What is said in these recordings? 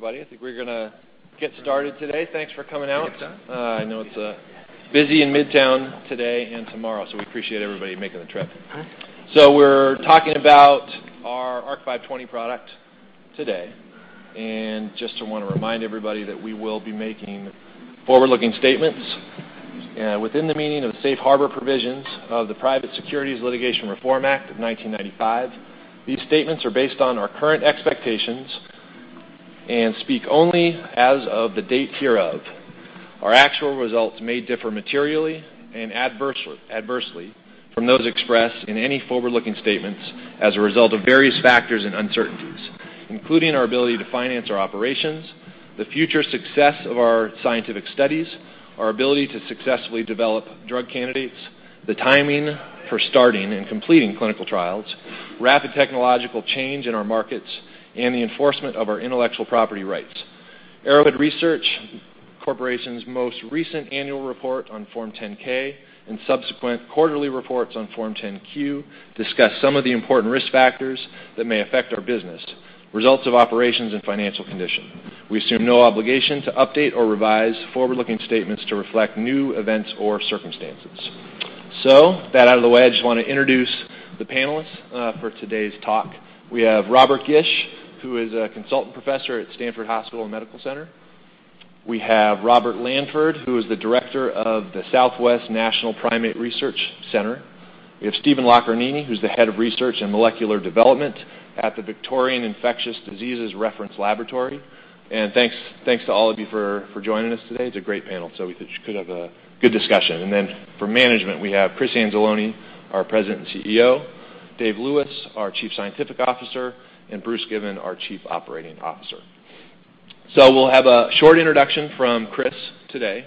Hi, everybody. I think we're going to get started today. Thanks for coming out. I know it's busy in Midtown today and tomorrow. We appreciate everybody making the trip. We're talking about our ARC-520 product today, and just want to remind everybody that we will be making forward-looking statements within the meaning of the safe harbor provisions of the Private Securities Litigation Reform Act of 1995. These statements are based on our current expectations and speak only as of the date hereof. Our actual results may differ materially and adversely from those expressed in any forward-looking statements as a result of various factors and uncertainties, including our ability to finance our operations, the future success of our scientific studies, our ability to successfully develop drug candidates, the timing for starting and completing clinical trials, rapid technological change in our markets, and the enforcement of our intellectual property rights. Arrowhead Research Corporation's most recent annual report on Form 10-K and subsequent quarterly reports on Form 10-Q discuss some of the important risk factors that may affect our business, results of operations, and financial condition. We assume no obligation to update or revise forward-looking statements to reflect new events or circumstances. That out of the way, I just want to introduce the panelists for today's talk. We have Robert Gish, who is a consultant professor at Stanford Hospital and Medical Center. We have Robert Lanford, who is the director of the Southwest National Primate Research Center. We have Stephen Locarnini, who's the head of research and molecular development at the Victorian Infectious Diseases Reference Laboratory. Thanks to all of you for joining us today. It's a great panel, so we should have a good discussion. For management, we have Chris Anzalone, our President and CEO, Dave Lewis, our Chief Scientific Officer, and Bruce Given, our Chief Operating Officer. We'll have a short introduction from Chris today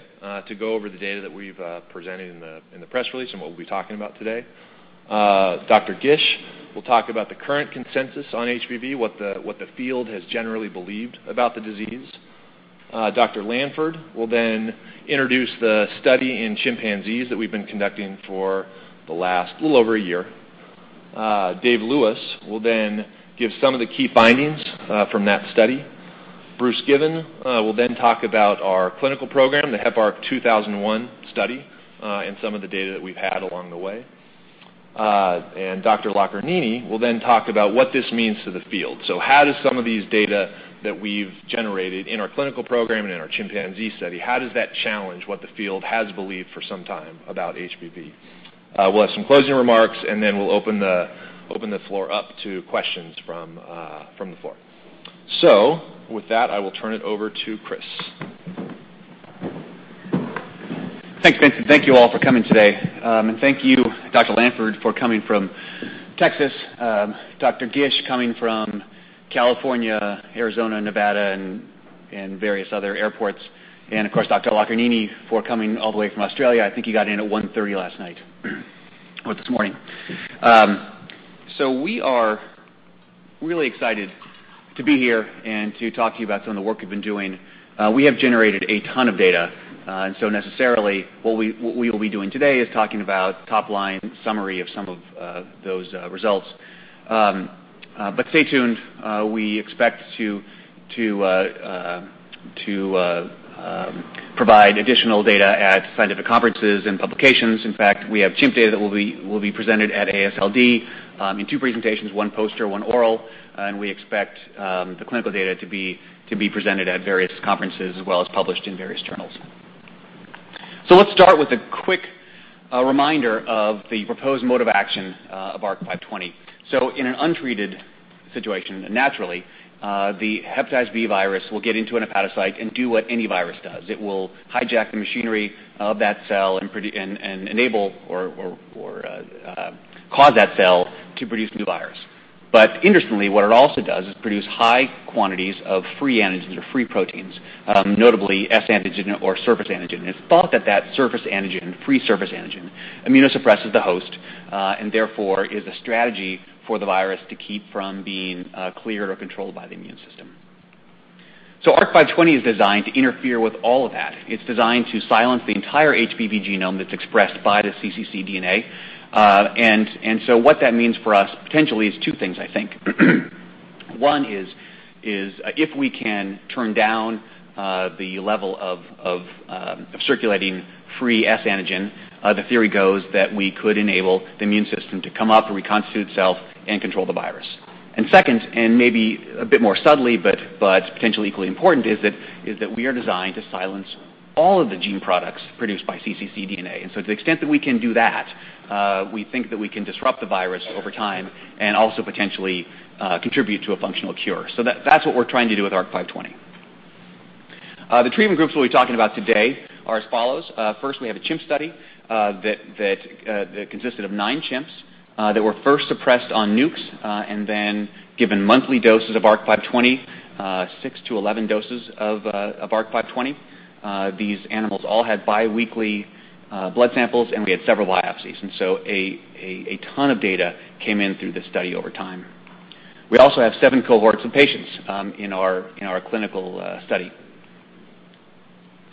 to go over the data that we've presented in the press release and what we'll be talking about today. Dr. Gish will talk about the current consensus on HBV, what the field has generally believed about the disease. Dr. Lanford will introduce the study in chimpanzees that we've been conducting for the last little over a year. Dave Lewis will give some of the key findings from that study. Bruce Given will talk about our clinical program, the Heparc-2001 study, and some of the data that we've had along the way. Dr. Locarnini will talk about what this means to the field. How does some of these data that we've generated in our clinical program and in our chimpanzee study, how does that challenge what the field has believed for some time about HBV? We'll have some closing remarks, and then we'll open the floor up to questions from the floor. With that, I will turn it over to Chris. Thanks, Vincent. Thank you all for coming today. Thank you, Dr. Lanford, for coming from Texas, Dr. Gish, coming from California, Arizona, Nevada, and various other airports, and of course, Dr. Locarnini, for coming all the way from Australia. I think he got in at 1:30 last night or this morning. We are really excited to be here and to talk to you about some of the work we've been doing. We have generated a ton of data, necessarily, what we will be doing today is talking about top-line summary of some of those results. Stay tuned. We expect to provide additional data at scientific conferences and publications. We have chimp data that will be presented at AASLD in two presentations, one poster, one oral, and we expect the clinical data to be presented at various conferences, as well as published in various journals. Let's start with a quick reminder of the proposed mode of action of ARC-520. In an untreated situation, naturally, the hepatitis B virus will get into an hepatocyte and do what any virus does. It will hijack the machinery of that cell and enable or cause that cell to produce new virus. Interestingly, what it also does is produce high quantities of free antigens or free proteins, notably S antigen or surface antigen. It's thought that that surface antigen, free surface antigen, immunosuppresses the host, and therefore is a strategy for the virus to keep from being cleared or controlled by the immune system. ARC-520 is designed to interfere with all of that. It's designed to silence the entire HBV genome that's expressed by the cccDNA, what that means for us potentially is two things, I think. One is if we can turn down the level of circulating free S antigen, the theory goes that we could enable the immune system to come up, reconstitute itself, and control the virus. Second, and maybe a bit more subtly, but potentially equally important, is that we are designed to silence all of the gene products produced by cccDNA. To the extent that we can do that, we think that we can disrupt the virus over time and also potentially contribute to a functional cure. That's what we're trying to do with ARC-520. The treatment groups we'll be talking about today are as follows. First, we have a chimp study that consisted of nine chimps that were first suppressed on NUCs and then given monthly doses of ARC-520, 6 to 11 doses of ARC-520. These animals all had biweekly blood samples, and we had several biopsies. A ton of data came in through this study over time. We also have 7 cohorts of patients in our clinical study.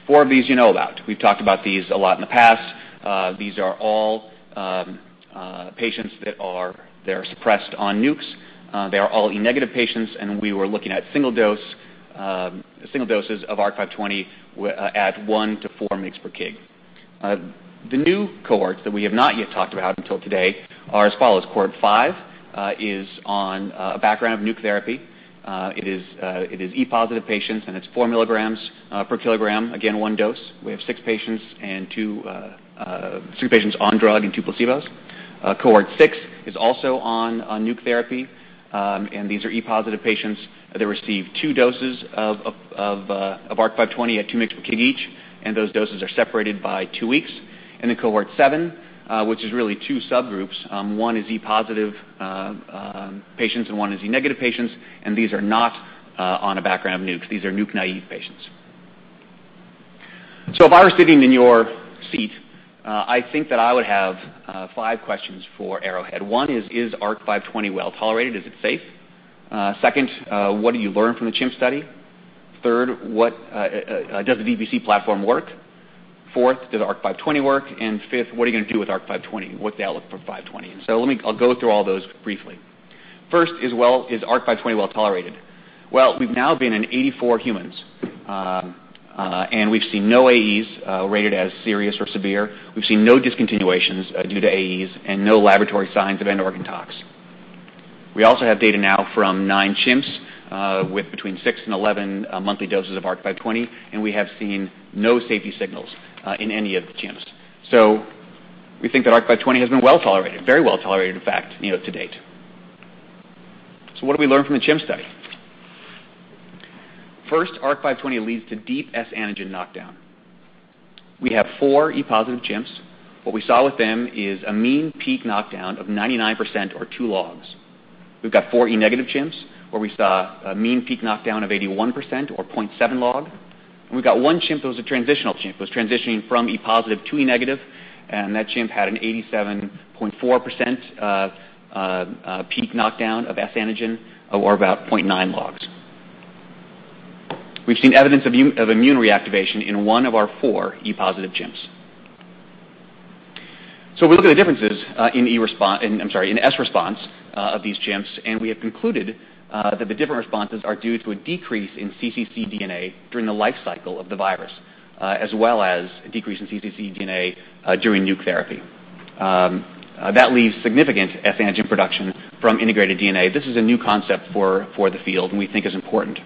Four of these you know about. We've talked about these a lot in the past. These are all patients that are suppressed on NUCs. They are all E negative patients, we were looking at single doses of ARC-520 at 1 to 4 mgs per kg. The new cohorts that we have not yet talked about until today are as follows. Cohort 5 is on a background of NUC therapy. It is E positive patients, it's four milligrams per kilogram, again, one dose. We have six patients, two patients on drug and two placebos. Cohort six is also on NUC therapy. These are E positive patients. They receive two doses of ARC-520 at two mgs per kg each, and those doses are separated by two weeks. Then cohort seven, which is really two subgroups. One is E positive patients and one is E negative patients, and these are not on a background of NUCs. These are NUC-naïve patients. If I were sitting in your seat, I think that I would have five questions for Arrowhead. One is ARC-520 well-tolerated? Is it safe? Second, what do you learn from the chimp study? Third, does the DPC platform work? Fourth, does ARC-520 work? Fifth, what are you going to do with ARC-520, and what's the outlook for 520? I'll go through all those briefly. First is ARC-520 well-tolerated? We've now been in 84 humans. We've seen no AEs rated as serious or severe. We've seen no discontinuations due to AEs and no laboratory signs of end-organ tox. We also have data now from nine chimps, with between six and 11 monthly doses of ARC-520, we have seen no safety signals in any of the chimps. We think that ARC-520 has been well-tolerated, very well-tolerated in fact, to date. What did we learn from the chimp study? First, ARC-520 leads to deep S antigen knockdown. We have four E positive chimps. What we saw with them is a mean peak knockdown of 99% or two logs. We've got four E negative chimps, where we saw a mean peak knockdown of 81% or 0.7 log. We've got one chimp that was a transitional chimp, was transitioning from E positive to E negative, that chimp had an 87.4% peak knockdown of S antigen, or about 0.9 logs. We've seen evidence of immune reactivation in one of our four E positive chimps. We look at the differences in S response of these chimps, we have concluded that the different responses are due to a decrease in cccDNA during the life cycle of the virus as well as a decrease in cccDNA during NUC therapy. That leaves significant S antigen production from integrated DNA. This is a new concept for the field, we think is important.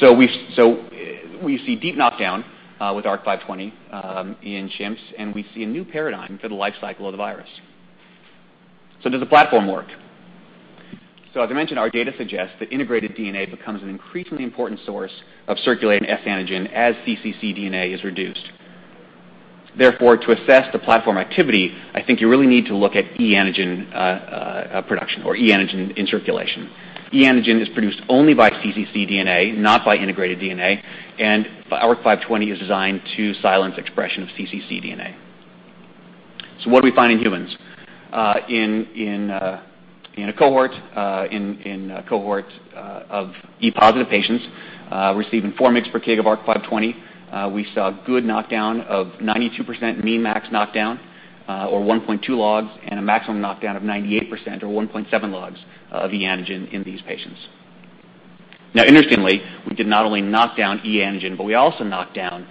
We see deep knockdown with ARC-520 in chimps, we see a new paradigm for the life cycle of the virus. Does the platform work? As I mentioned, our data suggests that integrated DNA becomes an increasingly important source of circulating S antigen as cccDNA is reduced. Therefore, to assess the platform activity, I think you really need to look at E antigen production or E antigen in circulation. E antigen is produced only by cccDNA, not by integrated DNA, ARC-520 is designed to silence expression of cccDNA. What did we find in humans? In a cohort of E positive patients receiving four mgs per kg of ARC-520, we saw a good knockdown of 92% mean max knockdown, or 1.2 logs, a maximum knockdown of 98%, or 1.7 logs of E antigen in these patients. Interestingly, we did not only knockdown E antigen, but we also knocked down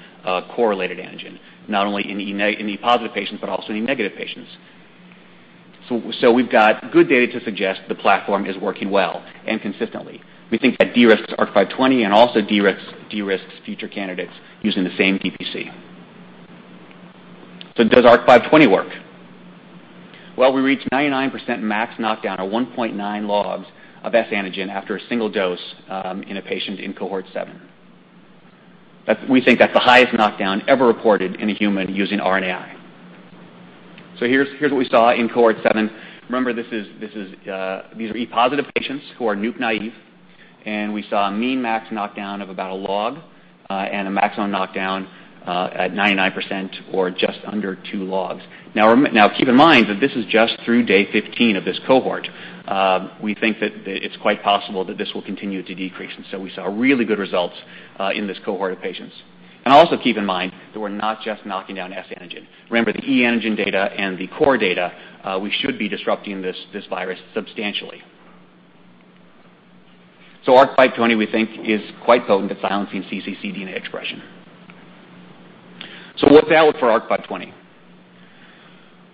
core-related antigen, not only in E positive patients, but also in E negative patients. We've got good data to suggest the platform is working well and consistently. We think that de-risks ARC-520 and also de-risks future candidates using the same DPC. Does ARC-520 work? Well, we reached 99% max knockdown, or 1.9 logs of S antigen after a single dose in a patient in cohort seven. We think that's the highest knockdown ever reported in a human using RNAi. Here's what we saw in cohort seven. Remember, these are e positive patients who are NUC-naïve, and we saw a mean max knockdown of about a log, and a maximum knockdown at 99%, or just under 2 logs. Now, keep in mind that this is just through day 15 of this cohort. We think that it's quite possible that this will continue to decrease, and we saw really good results in this cohort of patients. Also keep in mind that we're not just knocking down S antigen. Remember the e antigen data and the core data, we should be disrupting this virus substantially. ARC-520, we think, is quite potent at silencing cccDNA expression. What's the outlook for ARC-520?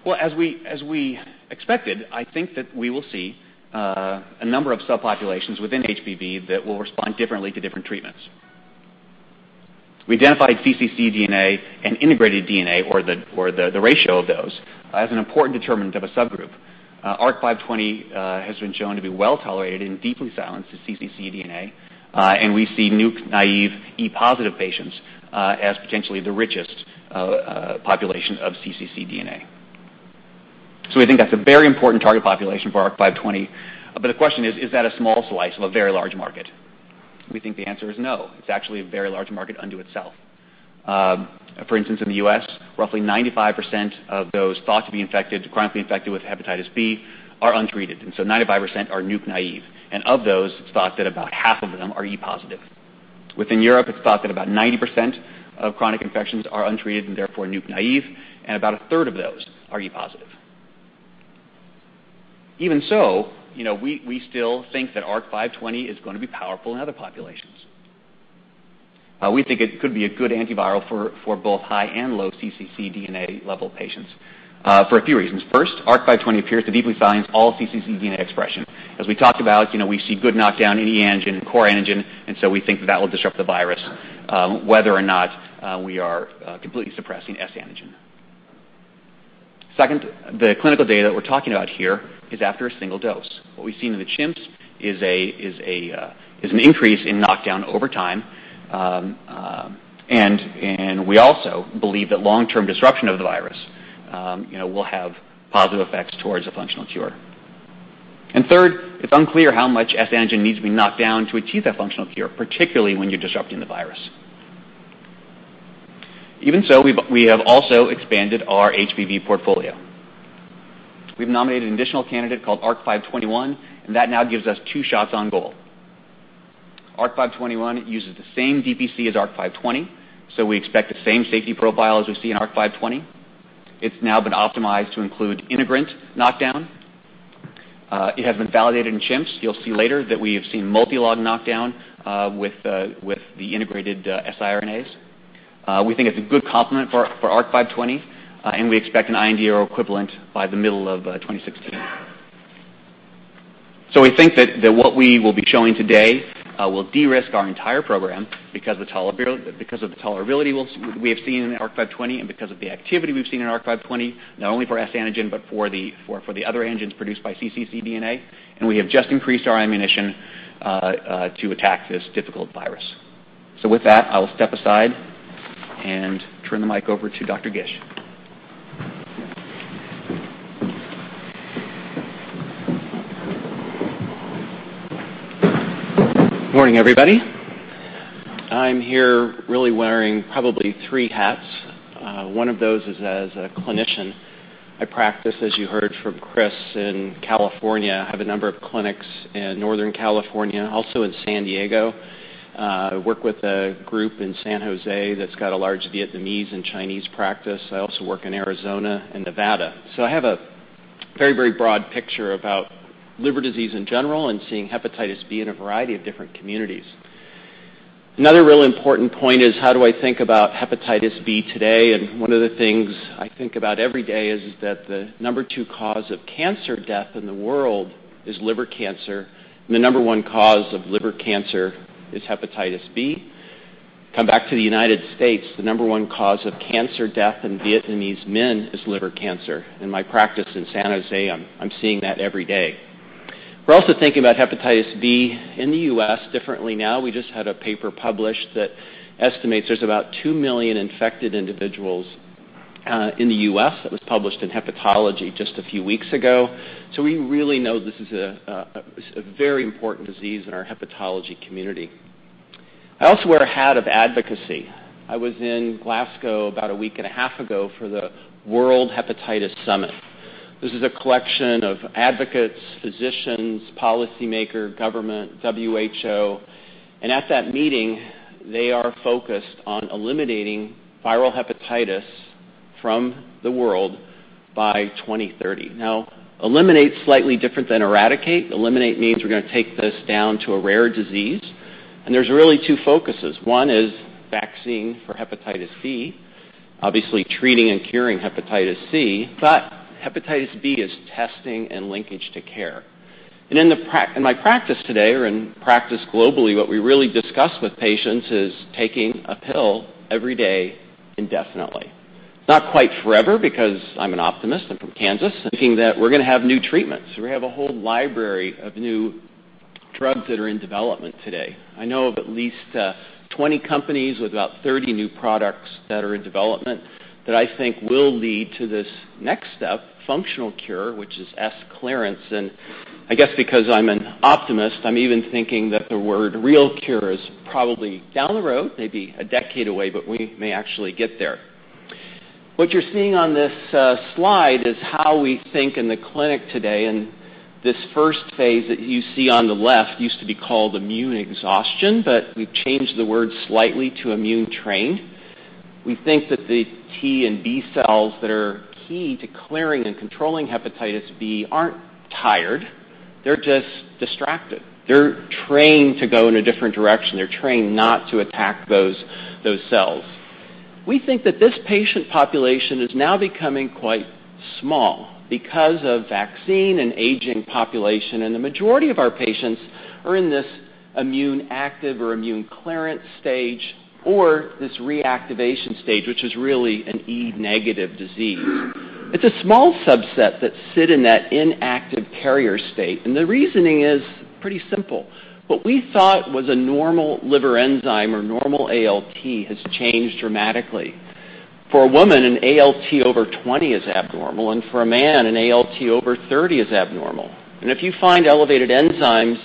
Well, as we expected, I think that we will see a number of subpopulations within HBV that will respond differently to different treatments. We identified cccDNA and integrated DNA, or the ratio of those, as an important determinant of a subgroup. ARC-520 has been shown to be well-tolerated and deeply silences cccDNA, and we see NUC-naïve e positive patients as potentially the richest population of cccDNA. We think that's a very important target population for ARC-520. But the question is that a small slice of a very large market? We think the answer is no. It's actually a very large market unto itself. For instance, in the U.S., roughly 95% of those thought to be chronically infected with hepatitis B are untreated, and 95% are NUC-naïve. Of those, it's thought that about half of them are e positive. Within Europe, it's thought that about 90% of chronic infections are untreated and therefore NUC-naïve, and about a third of those are e positive. Even so, we still think that ARC-520 is going to be powerful in other populations. We think it could be a good antiviral for both high and low cccDNA level patients for a few reasons. First, ARC-520 appears to deeply silence all cccDNA expression. As we talked about, we see good knockdown in e antigen and core antigen, and we think that will disrupt the virus, whether or not we are completely suppressing S antigen. Second, the clinical data that we're talking about here is after a single dose. What we've seen in the chimps is an increase in knockdown over time, and we also believe that long-term disruption of the virus will have positive effects towards a functional cure. Third, it's unclear how much S antigen needs to be knocked down to achieve that functional cure, particularly when you're disrupting the virus. Even so, we have also expanded our HBV portfolio. We've nominated an additional candidate called ARC-521, and that now gives us 2 shots on goal. ARC-521 uses the same DPC as ARC-520, so we expect the same safety profile as we see in ARC-520. It's now been optimized to include integrant knockdown. It has been validated in chimps. You'll see later that we have seen multi-log knockdown with the integrated siRNAs. We think it's a good complement for ARC-520, and we expect an IND or equivalent by the middle of 2016. We think that what we will be showing today will de-risk our entire program because of the tolerability we have seen in ARC-520 and because of the activity we've seen in ARC-520, not only for S antigen but for the other antigens produced by cccDNA, and we have just increased our ammunition to attack this difficult virus. With that, I will step aside and turn the mic over to Dr. Gish. Morning, everybody. I'm here really wearing probably three hats. One of those is as a clinician. I practice, as you heard from Chris, in California. I have a number of clinics in Northern California, also in San Diego. I work with a group in San Jose that's got a large Vietnamese and Chinese practice. I also work in Arizona and Nevada. I have a very broad picture about liver disease in general and seeing hepatitis B in a variety of different communities. Another really important point is how do I think about hepatitis B today, and one of the things I think about every day is that the number two cause of cancer death in the world is liver cancer, and the number one cause of liver cancer is hepatitis B. Come back to the U.S., the number one cause of cancer death in Vietnamese men is liver cancer. In my practice in San Jose, I'm seeing that every day. We're also thinking about hepatitis B in the U.S. differently now. We just had a paper published that estimates there's about 2 million infected individuals in the U.S. That was published in Hepatology just a few weeks ago. We really know this is a very important disease in our hepatology community. I also wear a hat of advocacy. I was in Glasgow about a week and a half ago for the World Hepatitis Summit. This is a collection of advocates, physicians, policymakers, government, WHO, and at that meeting, they are focused on eliminating viral hepatitis from the world by 2030. Now, eliminate is slightly different than eradicate. Eliminate means we're going to take this down to a rare disease, and there's really two focuses. One is vaccine for hepatitis C, obviously treating and curing hepatitis C, but hepatitis B is testing and linkage to care. In my practice today, or in practice globally, what we really discuss with patients is taking a pill every day indefinitely. It's not quite forever because I'm an optimist. I'm from Kansas, thinking that we're going to have new treatments. We have a whole library of new drugs that are in development today. I know of at least 20 companies with about 30 new products that are in development that I think will lead to this next step, functional cure, which is S clearance. I guess because I'm an optimist, I'm even thinking that the word real cure is probably down the road, maybe a decade away, but we may actually get there. What you're seeing on this slide is how we think in the clinic today. This first phase that you see on the left used to be called immune exhaustion, but we've changed the word slightly to immune trained. We think that the T and B cells that are key to clearing and controlling hepatitis B aren't tired. They're just distracted. They're trained to go in a different direction. They're trained not to attack those cells. We think that this patient population is now becoming quite small because of vaccine and aging population, and the majority of our patients are in this immune-active or immune clearance stage or this reactivation stage, which is really an e-negative disease. It's a small subset that sit in that inactive carrier state. The reasoning is pretty simple. What we thought was a normal liver enzyme or normal ALT has changed dramatically. For a woman, an ALT over 20 is abnormal, and for a man, an ALT over 30 is abnormal. If you find elevated enzymes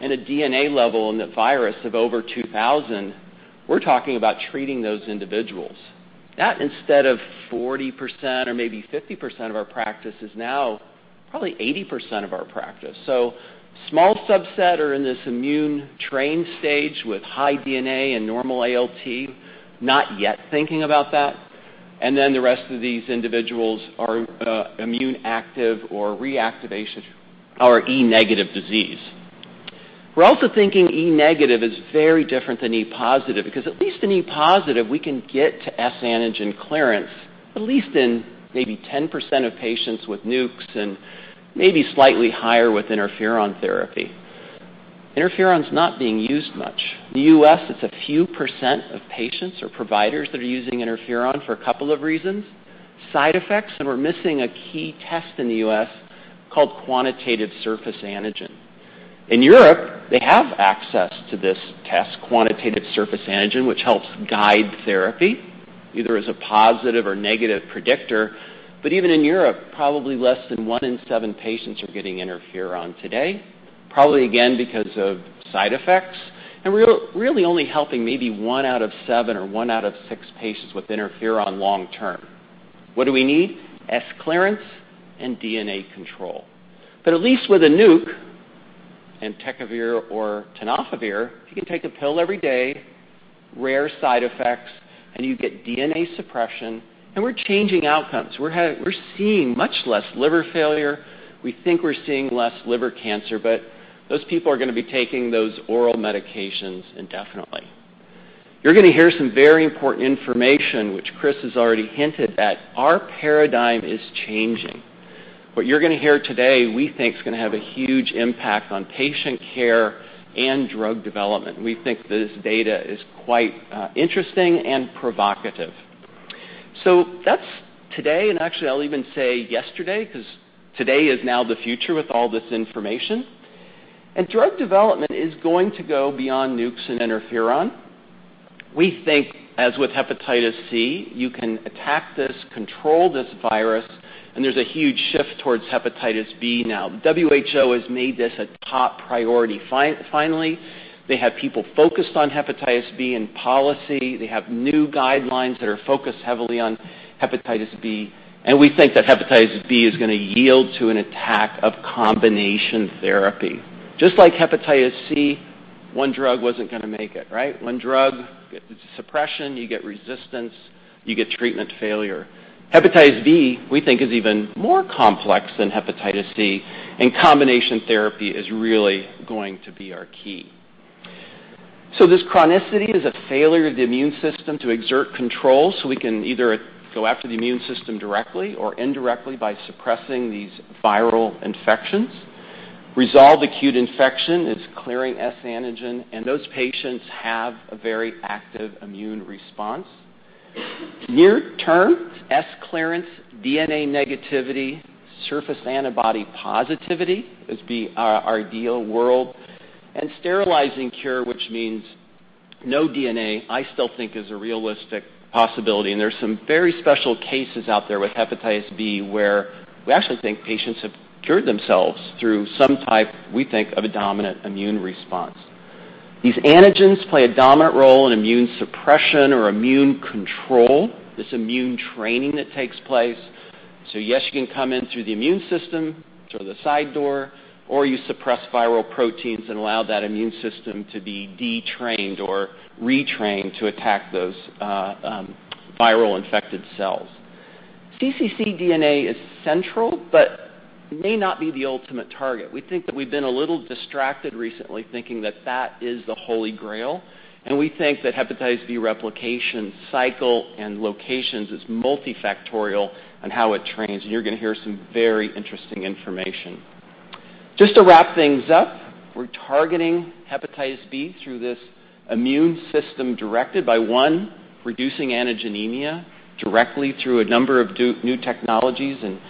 and a DNA level in the virus of over 2,000, we're talking about treating those individuals. That instead of 40% or maybe 50% of our practice is now probably 80% of our practice. Small subset are in this immune trained stage with high DNA and normal ALT, not yet thinking about that. The rest of these individuals are immune active or reactivation or e-negative disease. We're also thinking e-negative is very different than e-positive because at least in e-positive, we can get to S antigen clearance at least in maybe 10% of patients with NUCs and maybe slightly higher with interferon therapy. Interferon's not being used much. In the U.S., it's a few percent of patients or providers that are using interferon for a couple of reasons, side effects, and we're missing a key test in the U.S. called quantitative surface antigen. In Europe, they have access to this test, quantitative surface antigen, which helps guide therapy either as a positive or negative predictor. Even in Europe, probably less than one in seven patients are getting interferon today, probably, again, because of side effects, and we're really only helping maybe one out of seven or one out of six patients with interferon long term. What do we need? S clearance and DNA control. At least with a NUC, entecavir or tenofovir, you can take a pill every day, rare side effects, and you get DNA suppression, and we're changing outcomes. We're seeing much less liver failure. We think we're seeing less liver cancer, but those people are going to be taking those oral medications indefinitely. You're going to hear some very important information, which Chris has already hinted at. Our paradigm is changing. What you're going to hear today, we think, is going to have a huge impact on patient care and drug development. We think this data is quite interesting and provocative. That's today, and actually I'll even say yesterday because today is now the future with all this information. Drug development is going to go beyond NUCs and interferon. We think, as with hepatitis C, you can attack this, control this virus, there's a huge shift towards hepatitis B now. WHO has made this a top priority finally. They have people focused on hepatitis B and policy. They have new guidelines that are focused heavily on hepatitis B. We think that hepatitis B is going to yield to an attack of combination therapy. Just like hepatitis C, one drug wasn't going to make it, right? One drug, suppression, you get resistance, you get treatment failure. Hepatitis B, we think, is even more complex than hepatitis C. Combination therapy is really going to be our key. This chronicity is a failure of the immune system to exert control, so we can either go after the immune system directly or indirectly by suppressing these viral infections. Resolve acute infection is clearing S antigen. Those patients have a very active immune response. Near term, S clearance, DNA negativity, surface antibody positivity is our ideal world. Sterilizing cure, which means no DNA, I still think is a realistic possibility. There's some very special cases out there with hepatitis B where we actually think patients have cured themselves through some type, we think, of a dominant immune response. These antigens play a dominant role in immune suppression or immune control, this immune training that takes place. Yes, you can come in through the immune system, through the side door, or you suppress viral proteins and allow that immune system to be detrained or retrained to attack those viral infected cells. cccDNA is central but may not be the ultimate target. We think that we've been a little distracted recently, thinking that that is the Holy Grail. We think that hepatitis B replication cycle and locations is multifactorial on how it trains. You're going to hear some very interesting information. Just to wrap things up, we're targeting hepatitis B through this immune system directed by, one, reducing antigenemia directly through a number of new technologies and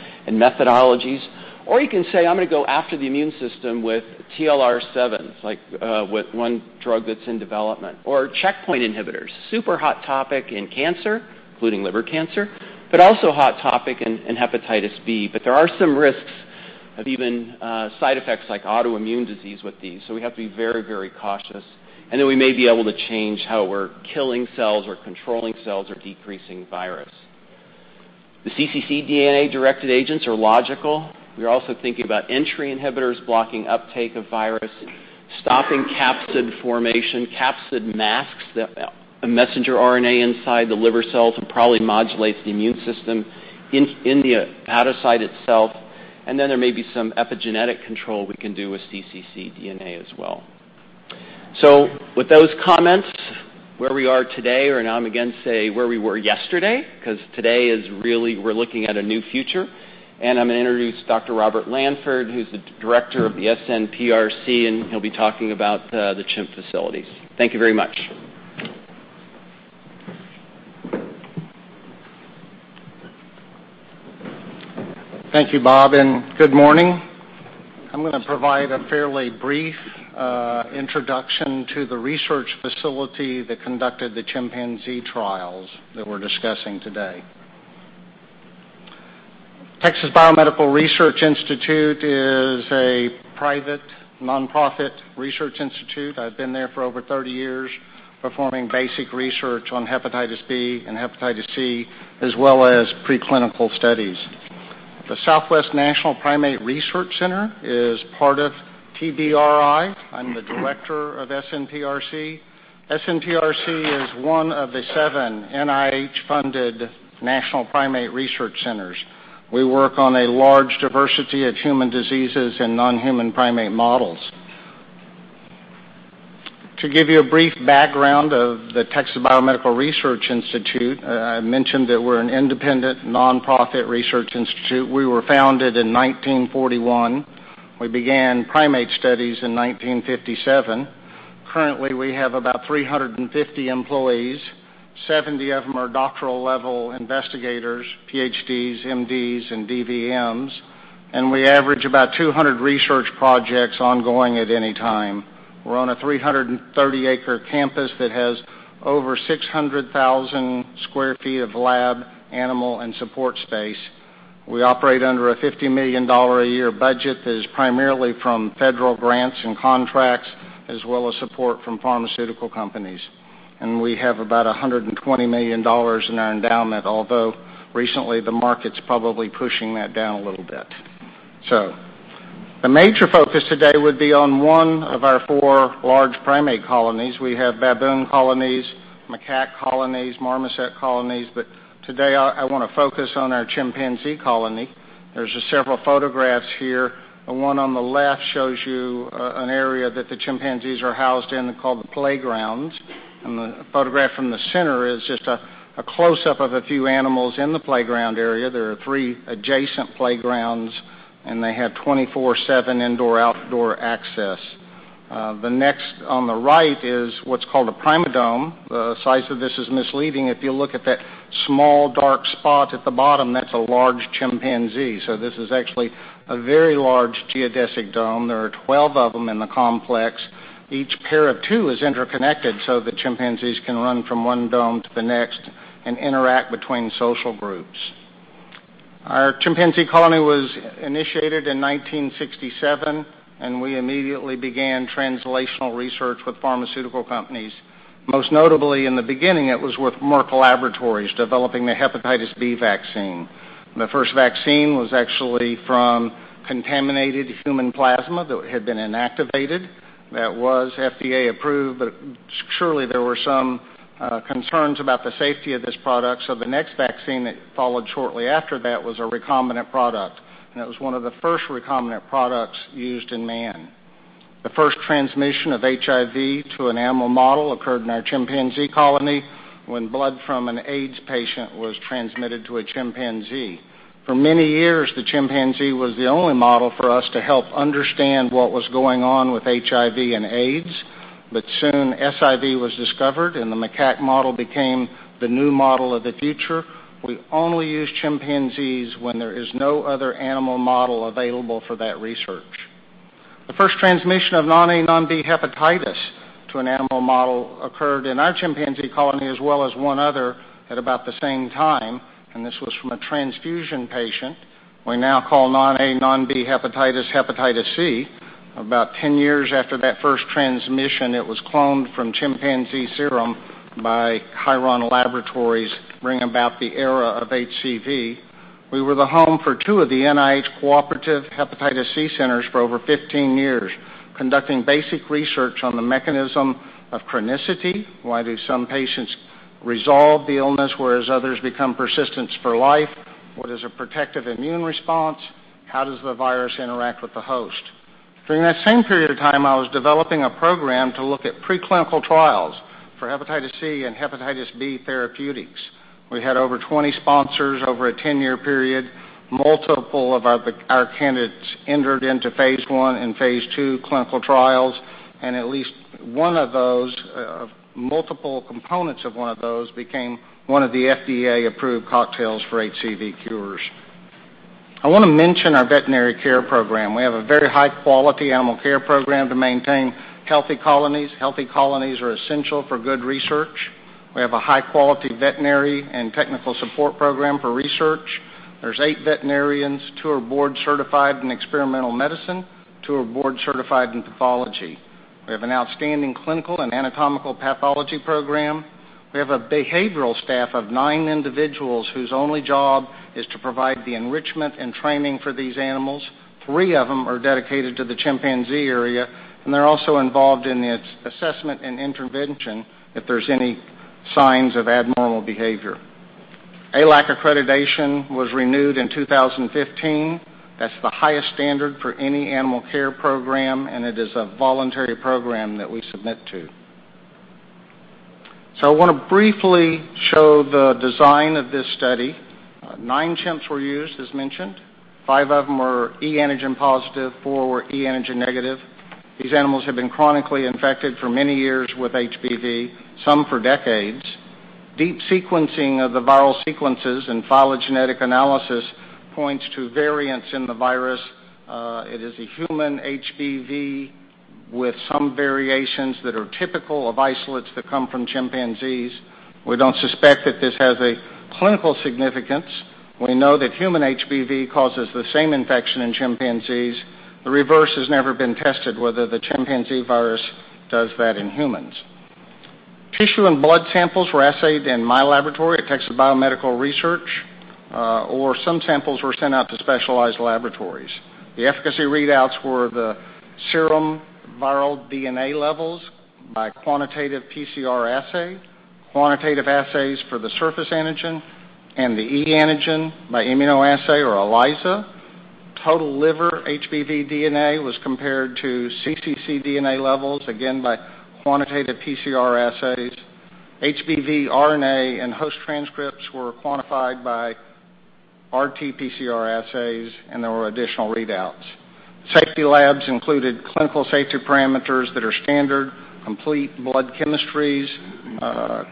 methodologies. You can say, I'm going to go after the immune system with TLR7s, like with one drug that's in development, or checkpoint inhibitors. Super hot topic in cancer, including liver cancer, also hot topic in hepatitis B. There are some risks of even side effects like autoimmune disease with these, so we have to be very cautious. Then we may be able to change how we're killing cells or controlling cells or decreasing virus. The cccDNA directed agents are logical. We're also thinking about entry inhibitors blocking uptake of virus, stopping capsid formation. Capsid masks the messenger RNA inside the liver cells and probably modulates the immune system in the hepatocyte itself. Then there may be some epigenetic control we can do with cccDNA as well. With those comments, where we are today, or now I'm going to say where we were yesterday, because today we're looking at a new future. I'm going to introduce Dr. Robert Lanford, who's the director of the SNPRC, and he'll be talking about the chimp facilities. Thank you very much. Thank you, Bob, and good morning. I'm going to provide a fairly brief introduction to the research facility that conducted the chimpanzee trials that we're discussing today. Texas Biomedical Research Institute is a private, nonprofit research institute. I've been there for over 30 years performing basic research on hepatitis B and hepatitis C, as well as pre-clinical studies. The Southwest National Primate Research Center is part of TBRI. I'm the director of SNPRC. SNPRC is one of the seven NIH-funded national primate research centers. We work on a large diversity of human diseases and non-human primate models. To give you a brief background of the Texas Biomedical Research Institute, I mentioned that we're an independent, nonprofit research institute. We were founded in 1941. We began primate studies in 1957. Currently, we have about 350 employees. 70 of them are doctoral-level investigators, PhDs, MDs, and DVMs, and we average about 200 research projects ongoing at any time. We're on a 330-acre campus that has over 600,000 square feet of lab, animal, and support space. We operate under a $50 million a year budget that is primarily from federal grants and contracts, as well as support from pharmaceutical companies. We have about $120 million in our endowment, although recently the market's probably pushing that down a little bit. The major focus today would be on one of our four large primate colonies. We have baboon colonies, macaque colonies, marmoset colonies, but today, I want to focus on our chimpanzee colony. There's just several photographs here. The one on the left shows you an area that the chimpanzees are housed in called the playgrounds. The photograph from the center is just a close-up of a few animals in the playground area. There are three adjacent playgrounds, and they have 24/7 indoor/outdoor access. The next on the right is what's called a Primadome. The size of this is misleading. If you look at that small dark spot at the bottom, that's a large chimpanzee. This is actually a very large geodesic dome. There are 12 of them in the complex. Each pair of two is interconnected so the chimpanzees can run from one dome to the next and interact between social groups. Our chimpanzee colony was initiated in 1967, and we immediately began translational research with pharmaceutical companies. Most notably, in the beginning, it was with Merck Laboratories developing the hepatitis B vaccine. The first vaccine was actually from contaminated human plasma that had been inactivated. That was FDA approved, but surely, there were some concerns about the safety of this product, so the next vaccine that followed shortly after that was a recombinant product. It was one of the first recombinant products used in man. The first transmission of HIV to an animal model occurred in our chimpanzee colony when blood from an AIDS patient was transmitted to a chimpanzee. For many years, the chimpanzee was the only model for us to help understand what was going on with HIV and AIDS, but soon SIV was discovered, and the macaque model became the new model of the future. We only use chimpanzees when there is no other animal model available for that research. The first transmission of non-A, non-B hepatitis to an animal model occurred in our chimpanzee colony as well as one other at about the same time, and this was from a transfusion patient. We now call non-A, non-B hepatitis hepatitis C. About 10 years after that first transmission, it was cloned from chimpanzee serum by Chiron Corporation, bringing about the era of HCV. We were the home for two of the NIH cooperative hepatitis C centers for over 15 years, conducting basic research on the mechanism of chronicity. Why do some patients resolve the illness, whereas others become persistent for life? What is a protective immune response? How does the virus interact with the host? During that same period of time, I was developing a program to look at preclinical trials for hepatitis C and hepatitis B therapeutics. We had over 20 sponsors over a 10-year period. Multiple of our candidates entered into phase I and phase II clinical trials, and at least one of those, multiple components of one of those, became one of the FDA-approved cocktails for HCV cures. I want to mention our veterinary care program. We have a very high-quality animal care program to maintain healthy colonies. Healthy colonies are essential for good research. We have a high-quality veterinary and technical support program for research. There are eight veterinarians. Two are board-certified in experimental medicine, two are board-certified in pathology. We have an outstanding clinical and anatomical pathology program. We have a behavioral staff of nine individuals whose only job is to provide the enrichment and training for these animals. Three of them are dedicated to the chimpanzee area, and they are also involved in its assessment and intervention if there are any signs of abnormal behavior. AAALAC accreditation was renewed in 2015. That is the highest standard for any animal care program, and it is a voluntary program that we submit to. I want to briefly show the design of this study. Nine chimps were used, as mentioned. Five of them were e antigen positive, four were e antigen negative. These animals had been chronically infected for many years with HBV, some for decades. Deep sequencing of the viral sequences and phylogenetic analysis points to variants in the virus. It is a human HBV with some variations that are typical of isolates that come from chimpanzees. We do not suspect that this has a clinical significance. We know that human HBV causes the same infection in chimpanzees. The reverse has never been tested, whether the chimpanzee virus does that in humans. Tissue and blood samples were assayed in my laboratory at Texas Biomedical Research, or some samples were sent out to specialized laboratories. The efficacy readouts were the serum viral DNA levels by quantitative PCR assay, quantitative assays for the surface antigen and the e antigen by immunoassay or ELISA. Total liver HBV DNA was compared to cccDNA levels, again, by quantitative PCR assays. HBV RNA and host transcripts were quantified by RT-PCR assays, and there were additional readouts. Safety labs included clinical safety parameters that are standard, complete blood chemistries,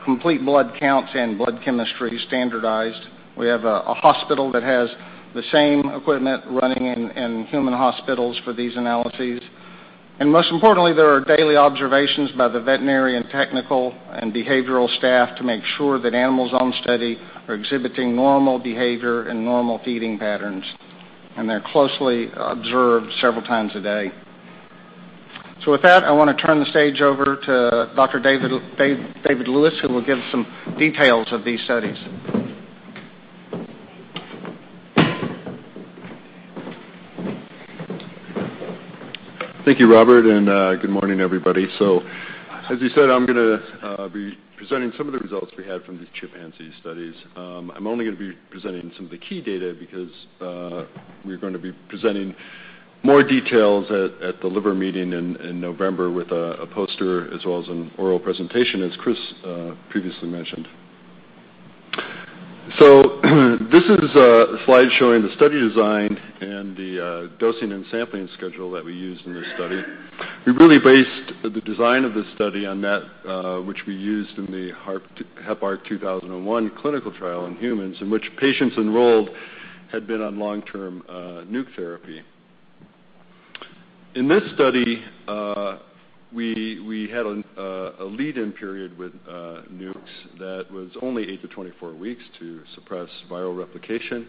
complete blood counts and blood chemistry standardized. We have a hospital that has the same equipment running in human hospitals for these analyses. Most importantly, there are daily observations by the veterinary and technical and behavioral staff to make sure that animals on study are exhibiting normal behavior and normal feeding patterns. They are closely observed several times a day. With that, I want to turn the stage over to Dr. David Lewis, who will give some details of these studies. Thank you, Robert. Good morning, everybody. As you said, I'm going to be presenting some of the results we had from these chimpanzee studies. I'm only going to be presenting some of the key data because, we're going to be presenting more details at the liver meeting in November with a poster as well as an oral presentation, as Chris previously mentioned. This is a slide showing the study design and the dosing and sampling schedule that we used in this study. We really based the design of this study on that which we used in the Heparc-2001 clinical trial in humans, in which patients enrolled had been on long-term NUC therapy. In this study, we had a lead-in period with NUCs that was only eight to 24 weeks to suppress viral replication.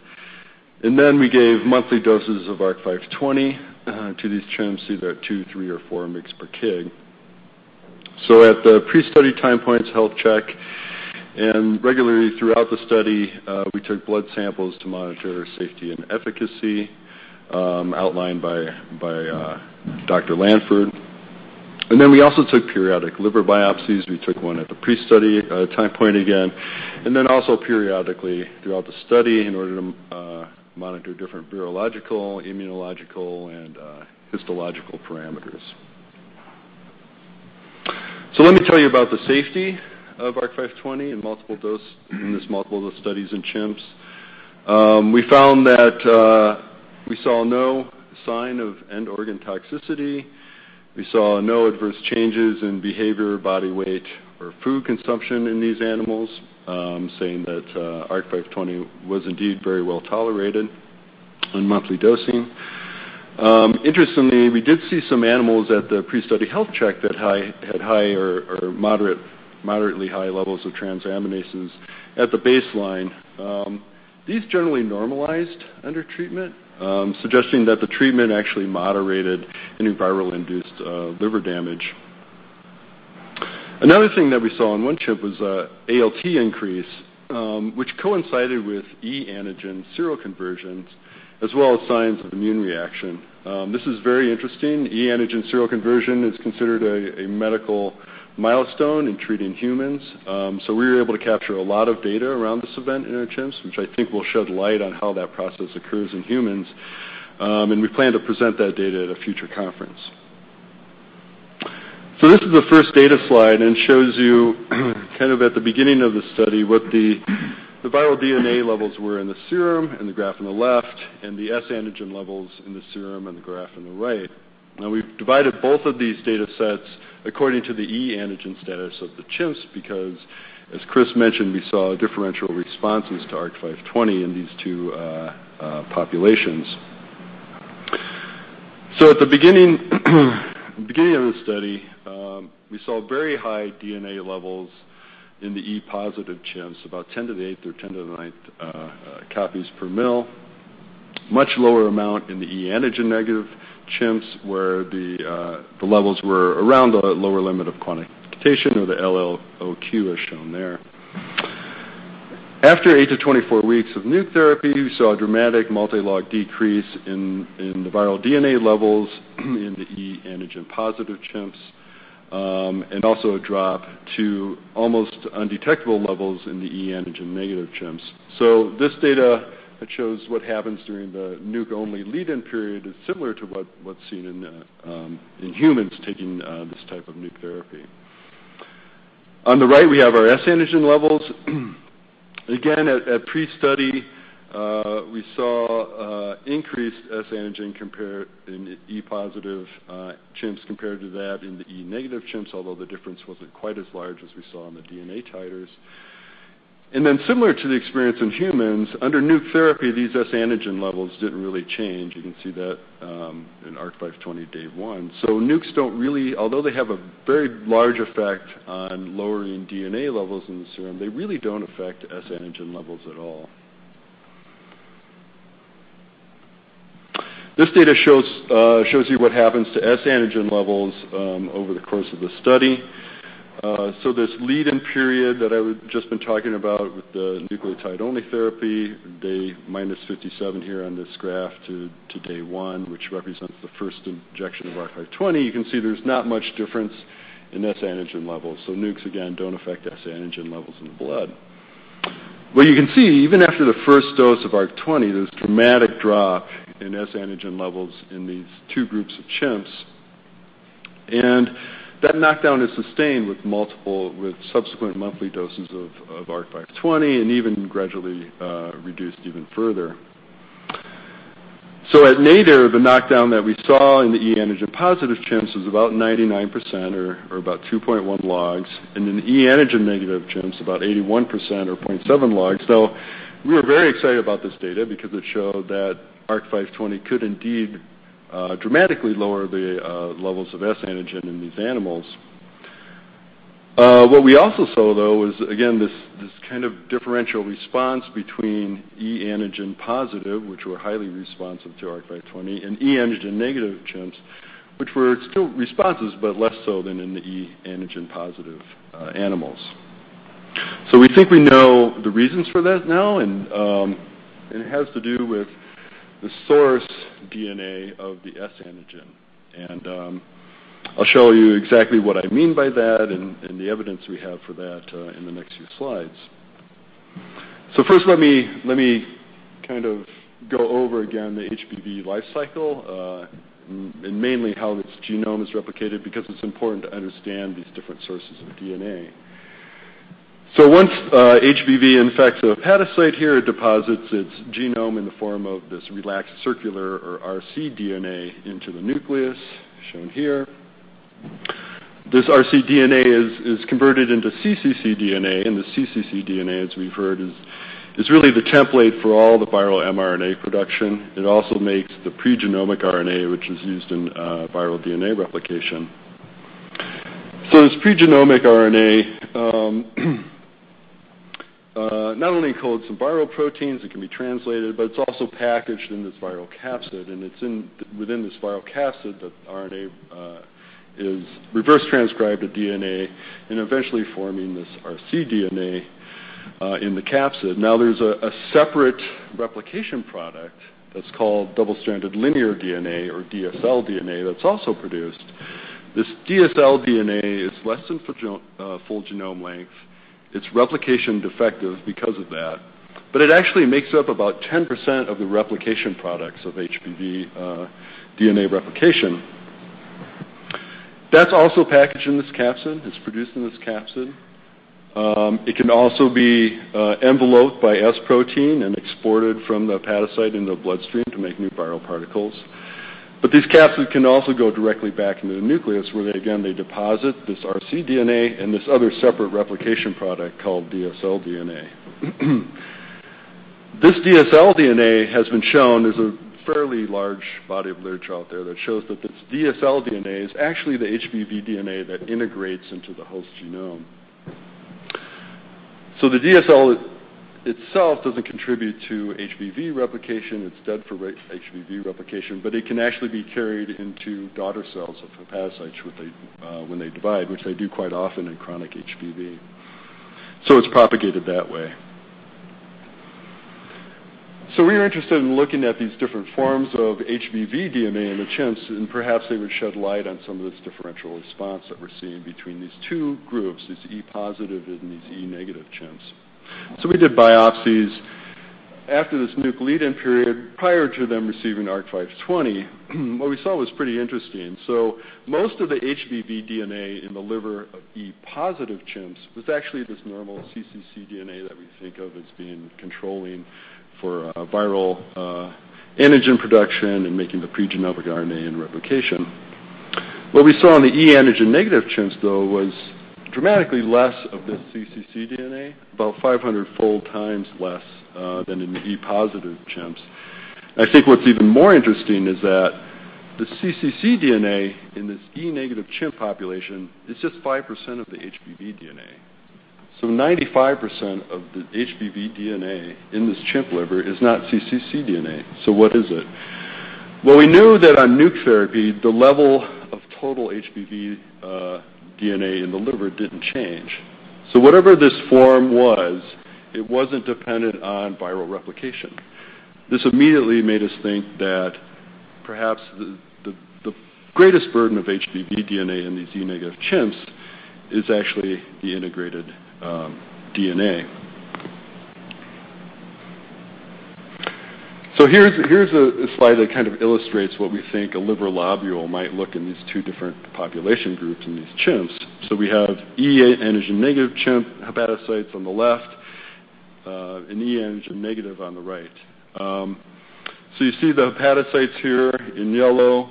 We gave monthly doses of ARC-520 to these chimps, either at two, three, or four mg/kg. At the pre-study time points health check and regularly throughout the study, we took blood samples to monitor safety and efficacy, outlined by Dr. Lanford. We also took periodic liver biopsies. We took one at the pre-study time point again, and also periodically throughout the study in order to monitor different virological, immunological, and histological parameters. Let me tell you about the safety of ARC-520 in this multiple dose studies in chimps. We saw no sign of end organ toxicity. We saw no adverse changes in behavior, body weight, or food consumption in these animals, saying that ARC-520 was indeed very well tolerated in monthly dosing. Interestingly, we did see some animals at the pre-study health check that had high or moderately high levels of transaminases at the baseline. These generally normalized under treatment, suggesting that the treatment actually moderated any viral induced liver damage. Another thing that we saw in one chimp was a ALT increase, which coincided with e antigen seroconversions, as well as signs of immune reaction. This is very interesting. e antigen seroconversion is considered a medical milestone in treating humans. We were able to capture a lot of data around this event in our chimps, which I think will shed light on how that process occurs in humans. We plan to present that data at a future conference. This is the first data slide and shows you kind of at the beginning of the study, what the viral DNA levels were in the serum, in the graph on the left, and the S antigen levels in the serum in the graph on the right. We've divided both of these data sets according to the e antigen status of the chimps, because, as Chris mentioned, we saw differential responses to ARC-520 in these two populations. At the beginning of the study, we saw very high DNA levels in the e positive chimps, about 10 to the eighth or 10 to the ninth copies per ml. Much lower amount in the e antigen-negative chimps, where the levels were around the lower limit of quantification, or the LLOQ, as shown there. After 8 to 24 weeks of NUC therapy, we saw a dramatic multi-log decrease in the viral DNA levels in the e antigen positive chimps, and also a drop to almost undetectable levels in the e antigen-negative chimps. This data that shows what happens during the NUC-only lead-in period is similar to what's seen in humans taking this type of NUC therapy. On the right, we have our S antigen levels. Again, at pre-study, we saw increased S antigen in e positive chimps compared to that in the e negative chimps, although the difference wasn't quite as large as we saw in the DNA titers. Similar to the experience in humans, under NUC therapy, these S antigen levels didn't really change. You can see that in ARC-520 day one. NUCs, although they have a very large effect on lowering DNA levels in the serum, they really don't affect S antigen levels at all. This data shows you what happens to S antigen levels over the course of the study. This lead-in period that I've just been talking about with the nucleotide-only therapy, day minus 57 here on this graph to day one, which represents the first injection of ARC-520, you can see there's not much difference in S antigen levels. NUCs, again, don't affect S antigen levels in the blood. What you can see, even after the first dose of ARC-520, there's a dramatic drop in S antigen levels in these two groups of chimps, and that knockdown is sustained with subsequent monthly doses of ARC-520, and even gradually reduced even further. At nadir, the knockdown that we saw in the e antigen-positive chimps was about 99%, or about 2.1 logs, and in e antigen-negative chimps, about 81%, or 0.7 logs. We were very excited about this data because it showed that ARC-520 could indeed dramatically lower the levels of S antigen in these animals. What we also saw, though, was, again, this kind of differential response between e antigen positive, which were highly responsive to ARC-520, and e antigen-negative chimps, which were still responses, but less so than in the e antigen-positive animals. We think we know the reasons for that now, and it has to do with the source DNA of the S antigen. I'll show you exactly what I mean by that and the evidence we have for that in the next few slides. First, let me go over again the HBV life cycle, and mainly how its genome is replicated, because it's important to understand these different sources of DNA. Once HBV infects a hepatocyte here, it deposits its genome in the form of this relaxed circular, or RC DNA, into the nucleus, shown here. This RC DNA is converted into cccDNA, and the cccDNA, as we've heard, is really the template for all the viral mRNA production. It also makes the pregenomic RNA, which is used in viral DNA replication. This pregenomic RNA not only encodes some viral proteins, it can be translated, but it's also packaged in this viral capsid, and it's within this viral capsid that the RNA is reverse transcribed to DNA, and eventually forming this RC DNA in the capsid. There's a separate replication product that's called double-stranded linear DNA, or DSL DNA, that's also produced. This DSL DNA is less than full genome length. It's replication defective because of that, it actually makes up about 10% of the replication products of HBV DNA replication. That's also packaged in this capsid. It's produced in this capsid. It can also be enveloped by S protein and exported from the hepatocyte into the bloodstream to make new viral particles. These capsids can also go directly back into the nucleus where they, again, deposit this RC DNA and this other separate replication product called DSL DNA. This DSL DNA, there's a fairly large body of literature out there that shows that this DSL DNA is actually the HBV DNA that integrates into the host genome. The DSL itself doesn't contribute to HBV replication. It's dead for HBV replication, it can actually be carried into daughter cells of hepatocytes when they divide, which they do quite often in chronic HBV. It's propagated that way. We were interested in looking at these different forms of HBV DNA in the chimps, and perhaps they would shed light on some of this differential response that we're seeing between these two groups, these e positive and these e negative chimps. We did biopsies after this NUC lead-in period, prior to them receiving ARC-520. What we saw was pretty interesting. Most of the HBV DNA in the liver of e positive chimps was actually this normal cccDNA that we think of as being controlling for viral antigen production and making the pregenomic RNA in replication. What we saw in the e antigen-negative chimps, though, was dramatically less of this cccDNA, about 500-fold times less than in the e positive chimps. I think what's even more interesting is that the cccDNA in this e-negative chimp population is just 5% of the HBV DNA. 95% of the HBV DNA in this chimp liver is not cccDNA. What is it? Well, we knew that on NUC therapy, the level of total HBV DNA in the liver didn't change. Whatever this form was, it wasn't dependent on viral replication. This immediately made us think that perhaps the greatest burden of HBV DNA in these e negative chimps is actually the integrated DNA. Here's a slide that kind of illustrates what we think a liver lobule might look in these two different population groups in these chimps. We have e antigen-negative chimp hepatocytes on the left, and e antigen negative on the right. You see the hepatocytes here in yellow.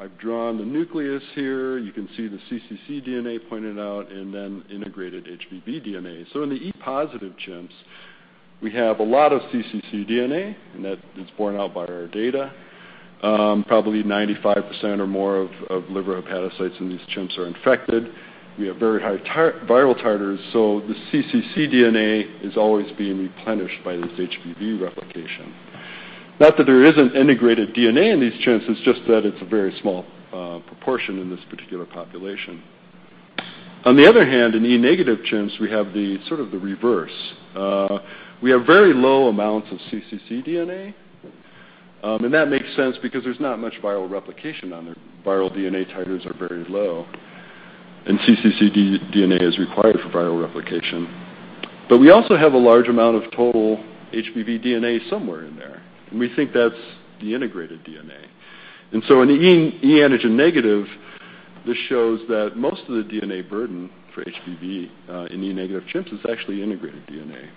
I've drawn the nucleus here. You can see the cccDNA pointed out, and then integrated HBV DNA. In the e-positive chimps, we have a lot of cccDNA, and that is borne out by our data. Probably 95% or more of liver hepatocytes in these chimps are infected. We have very high viral titers, the cccDNA is always being replenished by this HBV replication. Not that there isn't integrated DNA in these chimps, it's just that it's a very small proportion in this particular population. On the other hand, in e-negative chimps, we have the reverse. We have very low amounts of cccDNA, and that makes sense because there's not much viral replication on there. Viral DNA titers are very low, cccDNA is required for viral replication. We also have a large amount of total HBV DNA somewhere in there, and we think that's the integrated DNA. In e antigen negative, this shows that most of the DNA burden for HBV in e negative chimps is actually integrated DNA.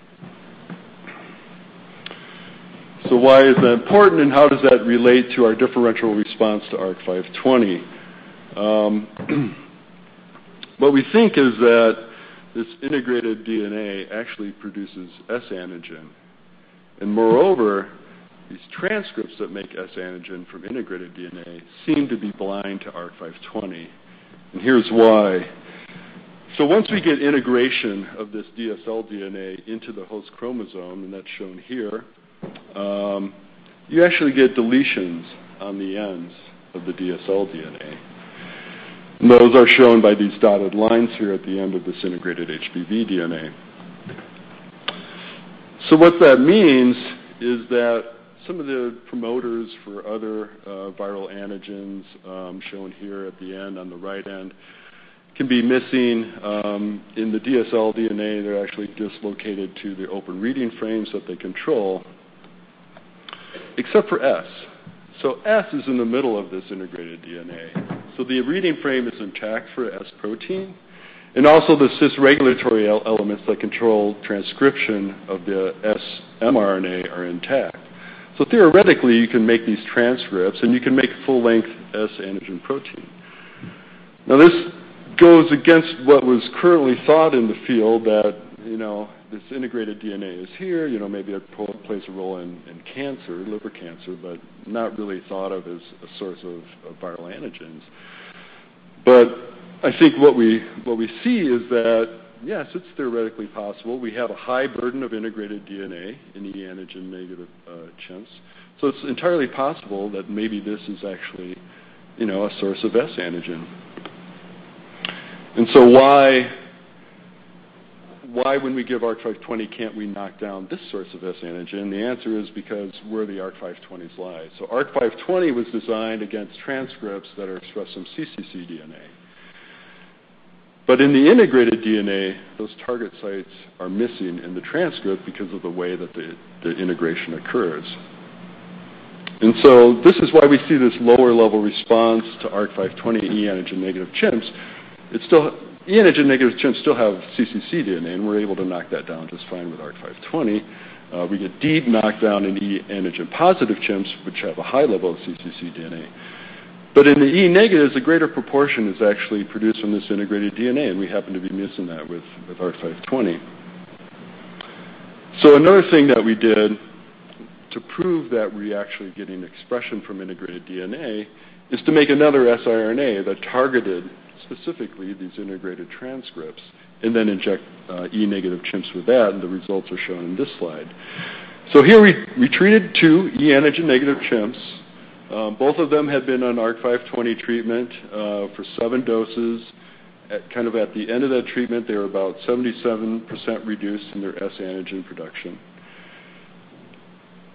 Why is that important, and how does that relate to our differential response to ARC-520? We think is that this integrated DNA actually produces S antigen. Moreover, these transcripts that make S antigen from integrated DNA seem to be blind to ARC-520. Here's why. Once we get integration of this DSL DNA into the host chromosome, and that's shown here, you actually get deletions on the ends of the DSL DNA. Those are shown by these dotted lines here at the end of this integrated HBV DNA. What that means is that some of the promoters for other viral antigens, shown here at the end, on the right end, can be missing in the DSL DNA. They're actually dislocated to the open reading frames that they control, except for S. S is in the middle of this integrated DNA. The reading frame is intact for S protein, and also the cis-regulatory elements that control transcription of the S mRNA are intact. Theoretically, you can make these transcripts, and you can make full-length S antigen protein. This goes against what was currently thought in the field that this integrated DNA is here, maybe it plays a role in cancer, liver cancer, but not really thought of as a source of viral antigens. I think what we see is that, yes, it's theoretically possible. We have a high burden of integrated DNA in e antigen negative chimps. It's entirely possible that maybe this is actually a source of S antigen. Why when we give ARC-520 can't we knock down this source of S antigen? The answer is because where the ARC-520s lie. ARC-520 was designed against transcripts that are expressed from cccDNA. In the integrated DNA, those target sites are missing in the transcript because of the way that the integration occurs. This is why we see this lower level response to ARC-520 in e antigen negative chimps. e antigen negative chimps still have cccDNA, and we're able to knock that down just fine with ARC-520. We get deep knockdown in e antigen positive chimps, which have a high level of cccDNA. In the e negatives, a greater proportion is actually produced from this integrated DNA, and we happen to be missing that with ARC-520. Another thing that we did to prove that we're actually getting expression from integrated DNA is to make another siRNA that targeted specifically these integrated transcripts and then inject e negative chimps with that, and the results are shown in this slide. Here we treated two e antigen negative chimps. Both of them had been on ARC-520 treatment for seven doses. At the end of that treatment, they were about 77% reduced in their S antigen production.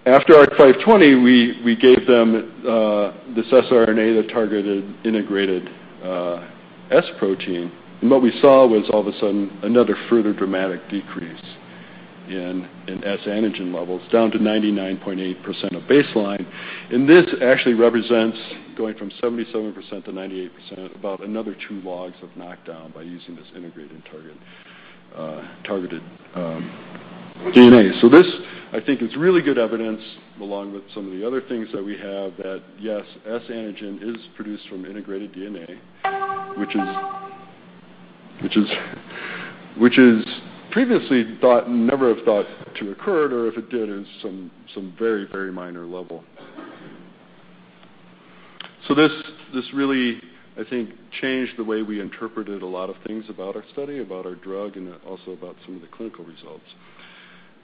After ARC-520, we gave them this siRNA that targeted integrated S protein. What we saw was all of a sudden, another further dramatic decrease in S antigen levels, down to 99.8% of baseline. This actually represents going from 77% to 98%, about another two logs of knockdown by using this integrated targeted DNA. This, I think, is really good evidence, along with some of the other things that we have, that, yes, S antigen is produced from integrated DNA, which is previously thought never thought to occur, or if it did, in some very, very minor level. This really, I think, changed the way we interpreted a lot of things about our study, about our drug, and also about some of the clinical results.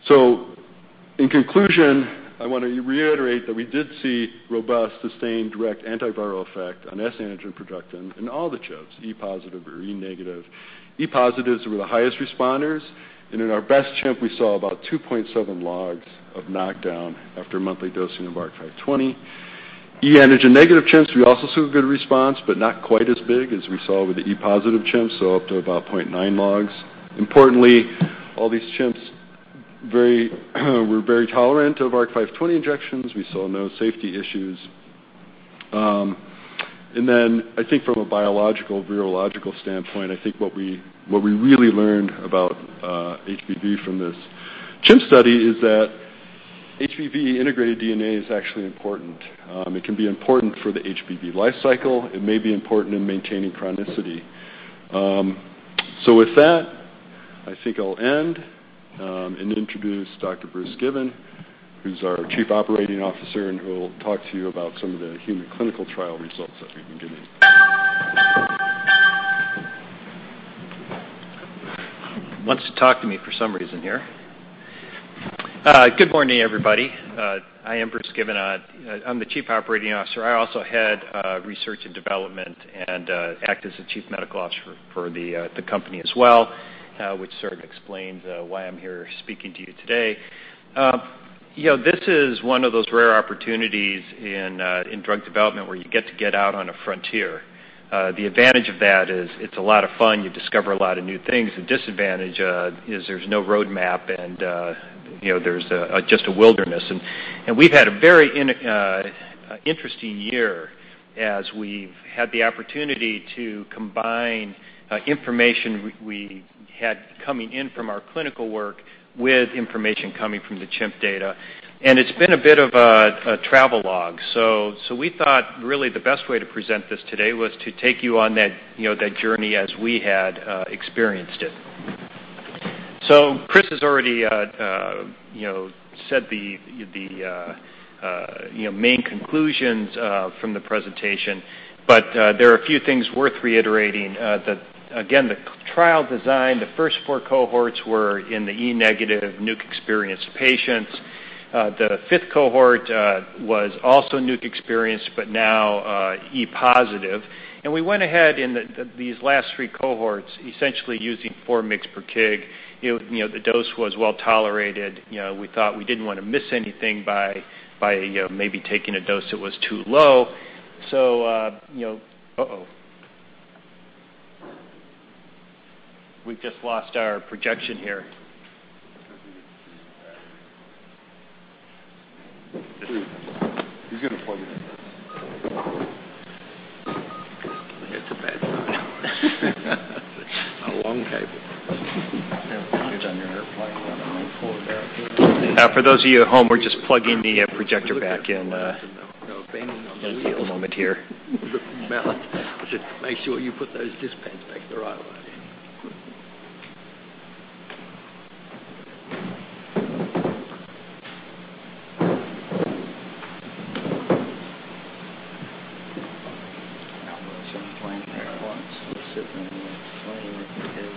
In conclusion, I want to reiterate that we did see robust, sustained, direct antiviral effect on S antigen production in all the chimps, e positive or e negative. e positives were the highest responders, and in our best chimp, we saw about 2.7 logs of knockdown after monthly dosing of ARC-520. e antigen negative chimps, we also saw a good response, but not quite as big as we saw with the e positive chimps, up to about 0.9 logs. Importantly, all these chimps were very tolerant of ARC-520 injections. We saw no safety issues. I think from a biological, virological standpoint, I think what we really learned about HBV from this chimp study is that HBV integrated DNA is actually important. It can be important for the HBV life cycle. It may be important in maintaining chronicity. With that, I think I'll end and introduce Dr. Bruce Given, who's our Chief Operating Officer, and who will talk to you about some of the human clinical trial results that we've been getting. Wants to talk to me for some reason here. Good morning, everybody. I am Bruce Given. I'm the Chief Operating Officer. I also head research and development and act as the Chief Medical Officer for the company as well, which sort of explains why I'm here speaking to you today. This is one of those rare opportunities in drug development where you get to get out on a frontier. The advantage of that is it's a lot of fun. You discover a lot of new things. The disadvantage is there's no road map, and there's just a wilderness. We've had a very interesting year as we've had the opportunity to combine information we had coming in from our clinical work with information coming from the chimp data, and it's been a bit of a travelogue. We thought really the best way to present this today was to take you on that journey as we had experienced it. Chris has already said the main conclusions from the presentation, but there are a few things worth reiterating. Again, the trial design, the first four cohorts were in the e negative NUC-experienced patients. The fifth cohort was also NUC-experienced, but now e positive. We went ahead in these last three cohorts, essentially using four mgs per kg. The dose was well-tolerated. We thought we didn't want to miss anything by maybe taking a dose that was too low. We've just lost our projection here. He's going to plug it in. It's a bad time. A long cable. You've done your airplane run. I might pull it out here. For those of you at home, we're just plugging the projector back in. It'll be a moment here. Make sure you put those disk packs back the right way. Now we're sort of playing airplanes.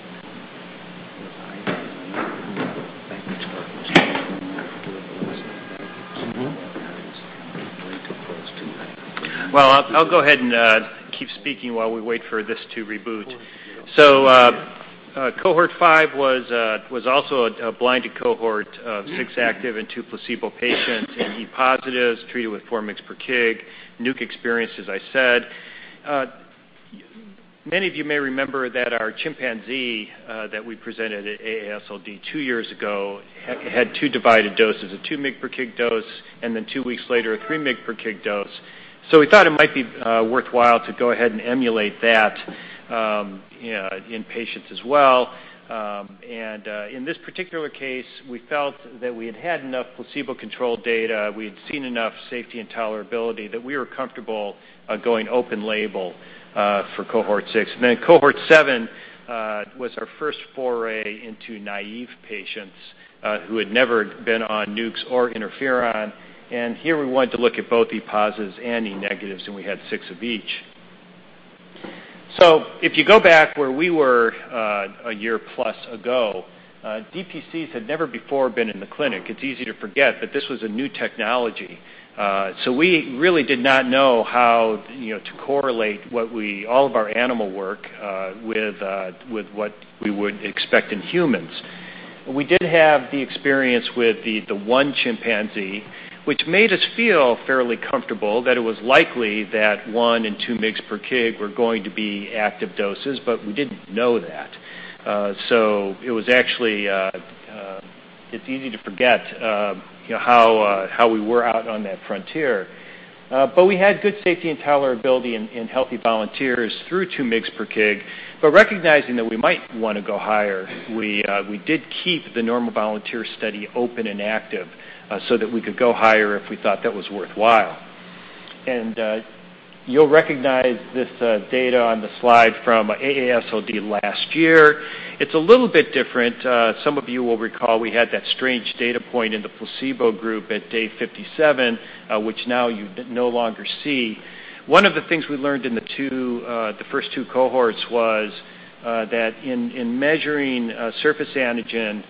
Well, I'll go ahead and keep speaking while we wait for this to reboot. Cohort 5 was also a blinded cohort of six active and two placebo patients in E positives treated with 4 mgs per kg. NUC experienced, as I said. Many of you may remember that our chimpanzee that we presented at AASLD two years ago had two divided doses, a 2 mg per kg dose, and then two weeks later, a 3 mg per kg dose. We thought it might be worthwhile to go ahead and emulate that in patients as well. In this particular case, we felt that we had had enough placebo control data, we had seen enough safety and tolerability that we were comfortable going open label for cohort 6. Cohort 7 was our first foray into naive patients who had never been on NUCs or interferon. Here we wanted to look at both E positives and E negatives, and we had six of each. If you go back where we were a year plus ago, DPCs had never before been in the clinic. It's easy to forget, but this was a new technology. We really did not know how to correlate all of our animal work with what we would expect in humans. We did have the experience with the one chimpanzee, which made us feel fairly comfortable that it was likely that 1 and 2 mgs per kg were going to be active doses, but we didn't know that. It's easy to forget how we were out on that frontier. We had good safety and tolerability in healthy volunteers through 2 mgs per kg. Recognizing that we might want to go higher, we did keep the normal volunteer study open and active so that we could go higher if we thought that was worthwhile. You'll recognize this data on the slide from AASLD last year. It's a little bit different. Some of you will recall we had that strange data point in the placebo group at day 57, which now you no longer see. One of the things we learned in the first two cohorts was that in measuring surface antigen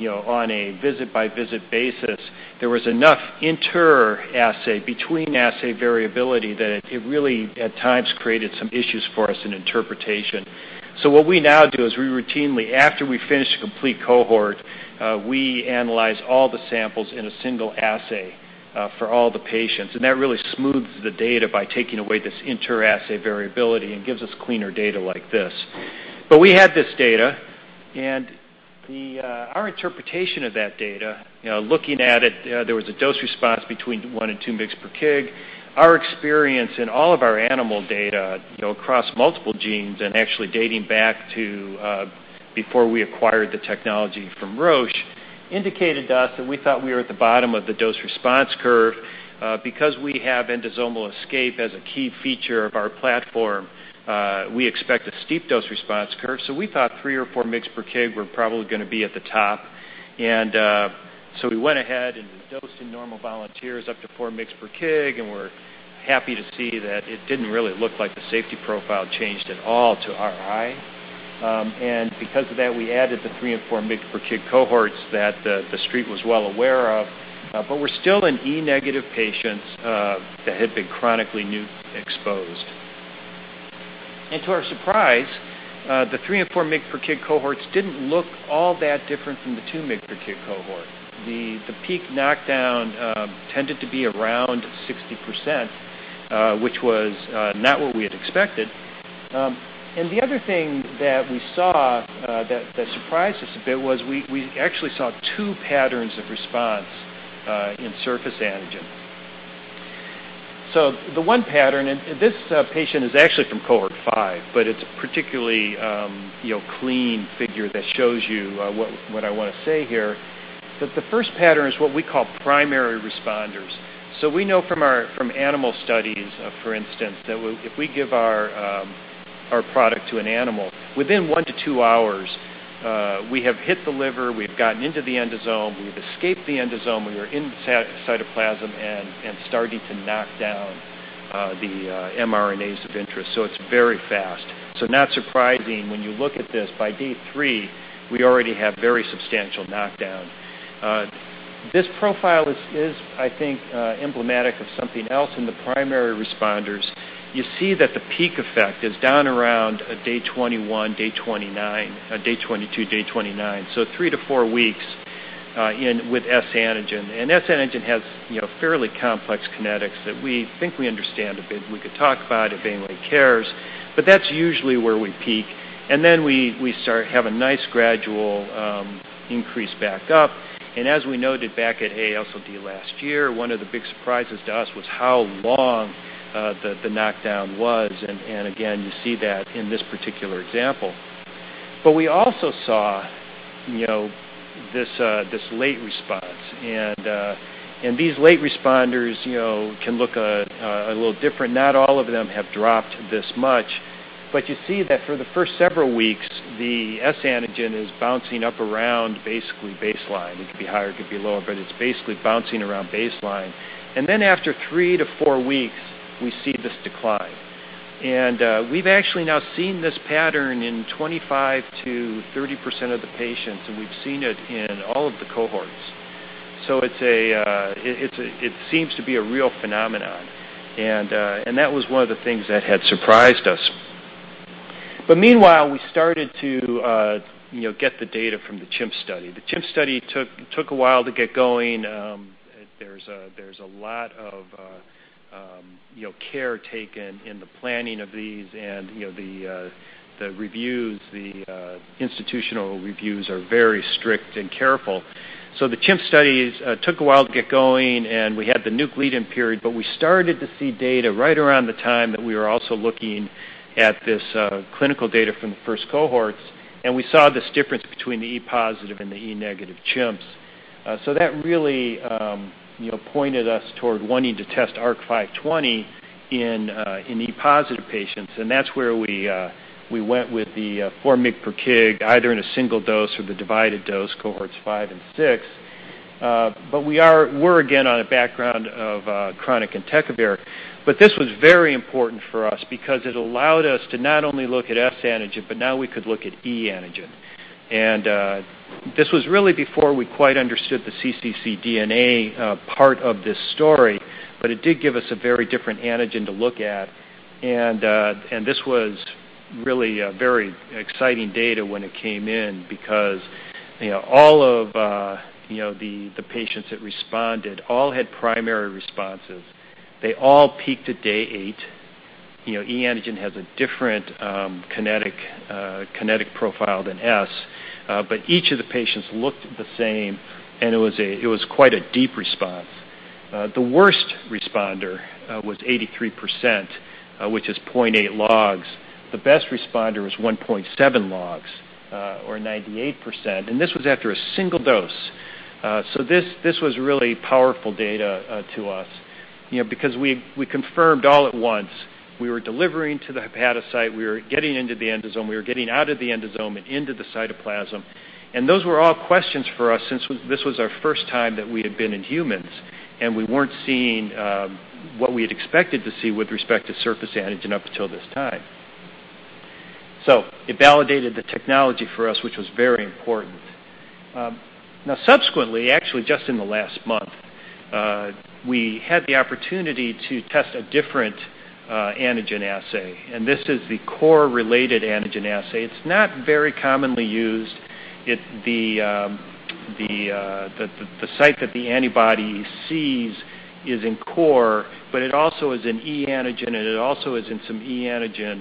on a visit-by-visit basis, there was enough inter-assay, between-assay variability that it really, at times, created some issues for us in interpretation. What we now do is we routinely, after we finish a complete cohort, we analyze all the samples in a single assay for all the patients, and that really smooths the data by taking away this inter-assay variability and gives us cleaner data like this. We had this data and our interpretation of that data, looking at it, there was a dose response between one and two mg per kg. Our experience in all of our animal data across multiple genes and actually dating back to before we acquired the technology from Roche, indicated to us that we thought we were at the bottom of the dose response curve. Because we have endosomal escape as a key feature of our platform, we expect a steep dose response curve. We thought three or four mg per kg were probably going to be at the top. We went ahead and dosed in normal volunteers up to four mg per kg, and we're happy to see that it didn't really look like the safety profile changed at all to our eye. Because of that, we added the three and four mg per kg cohorts that the street was well aware of. Were still in e-negative patients that had been chronically NUC-exposed. To our surprise, the three and four mg per kg cohorts didn't look all that different from the two mg per kg cohort. The peak knockdown tended to be around 60%, which was not what we had expected. The other thing that we saw that surprised us a bit was we actually saw two patterns of response in S antigen. The one pattern, and this patient is actually from cohort 5, but it's a particularly clean figure that shows you what I want to say here, that the first pattern is what we call primary responders. We know from animal studies, for instance, that if we give our product to an animal, within one to two hours we have hit the liver, we've gotten into the endosome, we've escaped the endosome, we are in the cytoplasm and starting to knock down the mRNAs of interest. It's very fast. Not surprising when you look at this, by day 3, we already have very substantial knockdown. This profile is, I think, emblematic of something else in the primary responders. You see that the peak effect is down around day 21, day 22, day 29. Three to four weeks with S antigen. S antigen has fairly complex kinetics that we think we understand a bit. We could talk about if anybody cares, but that's usually where we peak. We start have a nice gradual increase back up. As we noted back at AASLD last year, one of the big surprises to us was how long the knockdown was. Again, you see that in this particular example. We also saw this late response and these late responders can look a little different. Not all of them have dropped this much. You see that for the first several weeks, the S antigen is bouncing up around basically baseline. It could be higher, it could be lower, but it's basically bouncing around baseline. After three to four weeks, we see this decline. We've actually now seen this pattern in 25%-30% of the patients, and we've seen it in all of the cohorts. It seems to be a real phenomenon. That was one of the things that had surprised us. Meanwhile, we started to get the data from the chimp study. The chimp study took a while to get going. There's a lot of care taken in the planning of these and the institutional reviews are very strict and careful. The chimp studies took a while to get going, and we had the NUC lead-in period, but we started to see data right around the time that we were also looking at this clinical data from the first cohorts, and we saw this difference between the e positive and the e negative chimps. That really pointed us toward wanting to test ARC-520 in e positive patients. That's where we went with the 4 mg per kg, either in a single dose or the divided dose cohorts 5 and 6. We're again on a background of chronic entecavir. This was very important for us because it allowed us to not only look at S antigen, but now we could look at e antigen. This was really before we quite understood the cccDNA part of this story, but it did give us a very different antigen to look at. This was really very exciting data when it came in because all of the patients that responded all had primary responses. They all peaked at day 8. e antigen has a different kinetic profile than S. Each of the patients looked the same, and it was quite a deep response. The worst responder was 83%, which is 0.8 logs. The best responder was 1.7 logs or 98%. This was after a single dose. This was really powerful data to us because we confirmed all at once we were delivering to the hepatocyte, we were getting into the endosome, we were getting out of the endosome and into the cytoplasm. Those were all questions for us since this was our first time that we had been in humans and we weren't seeing what we had expected to see with respect to surface antigen up until this time. It validated the technology for us, which was very important. Subsequently, actually just in the last month, we had the opportunity to test a different antigen assay, and this is the core-related antigen assay. It's not very commonly used. The site that the antibody sees is in core, but it also is in e antigen, and it also is in some e antigen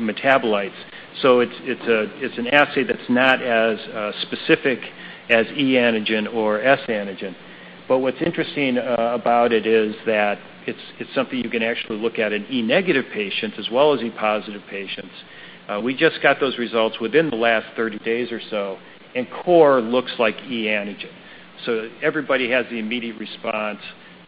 metabolites. It's an assay that's not as specific as e antigen or S antigen. What's interesting about it is that it's something you can actually look at in e negative patients as well as e positive patients. We just got those results within the last 30 days or so, and core looks like e antigen. Everybody has the immediate response,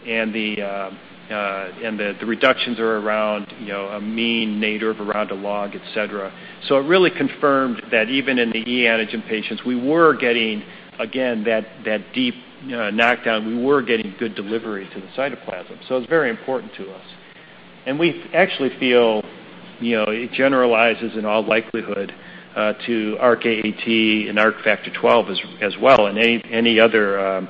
and the reductions are around a mean nadir of around a log, et cetera. It really confirmed that even in the e antigen patients, we were getting, again, that deep knockdown. We were getting good delivery to the cytoplasm. It's very important to us. We actually feel it generalizes in all likelihood to ARC-AAT and ARC-F12 as well, and any other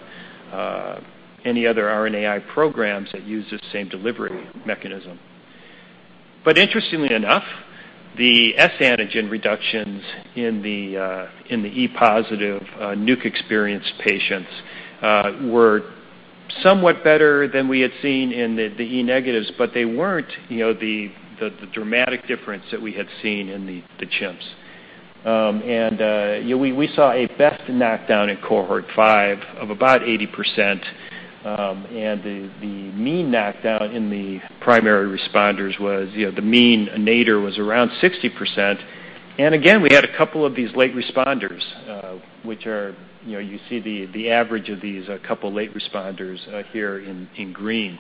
RNAi programs that use this same delivery mechanism. Interestingly enough, the S antigen reductions in the e-positive NUC-experienced patients were somewhat better than we had seen in the e-negatives, but they weren't the dramatic difference that we had seen in the chimps. We saw a best knockdown in cohort 5 of about 80%, and the mean knockdown in the primary responders was the mean nadir was around 60%. Again, we had a couple of these late responders, which you see the average of these couple late responders here in green.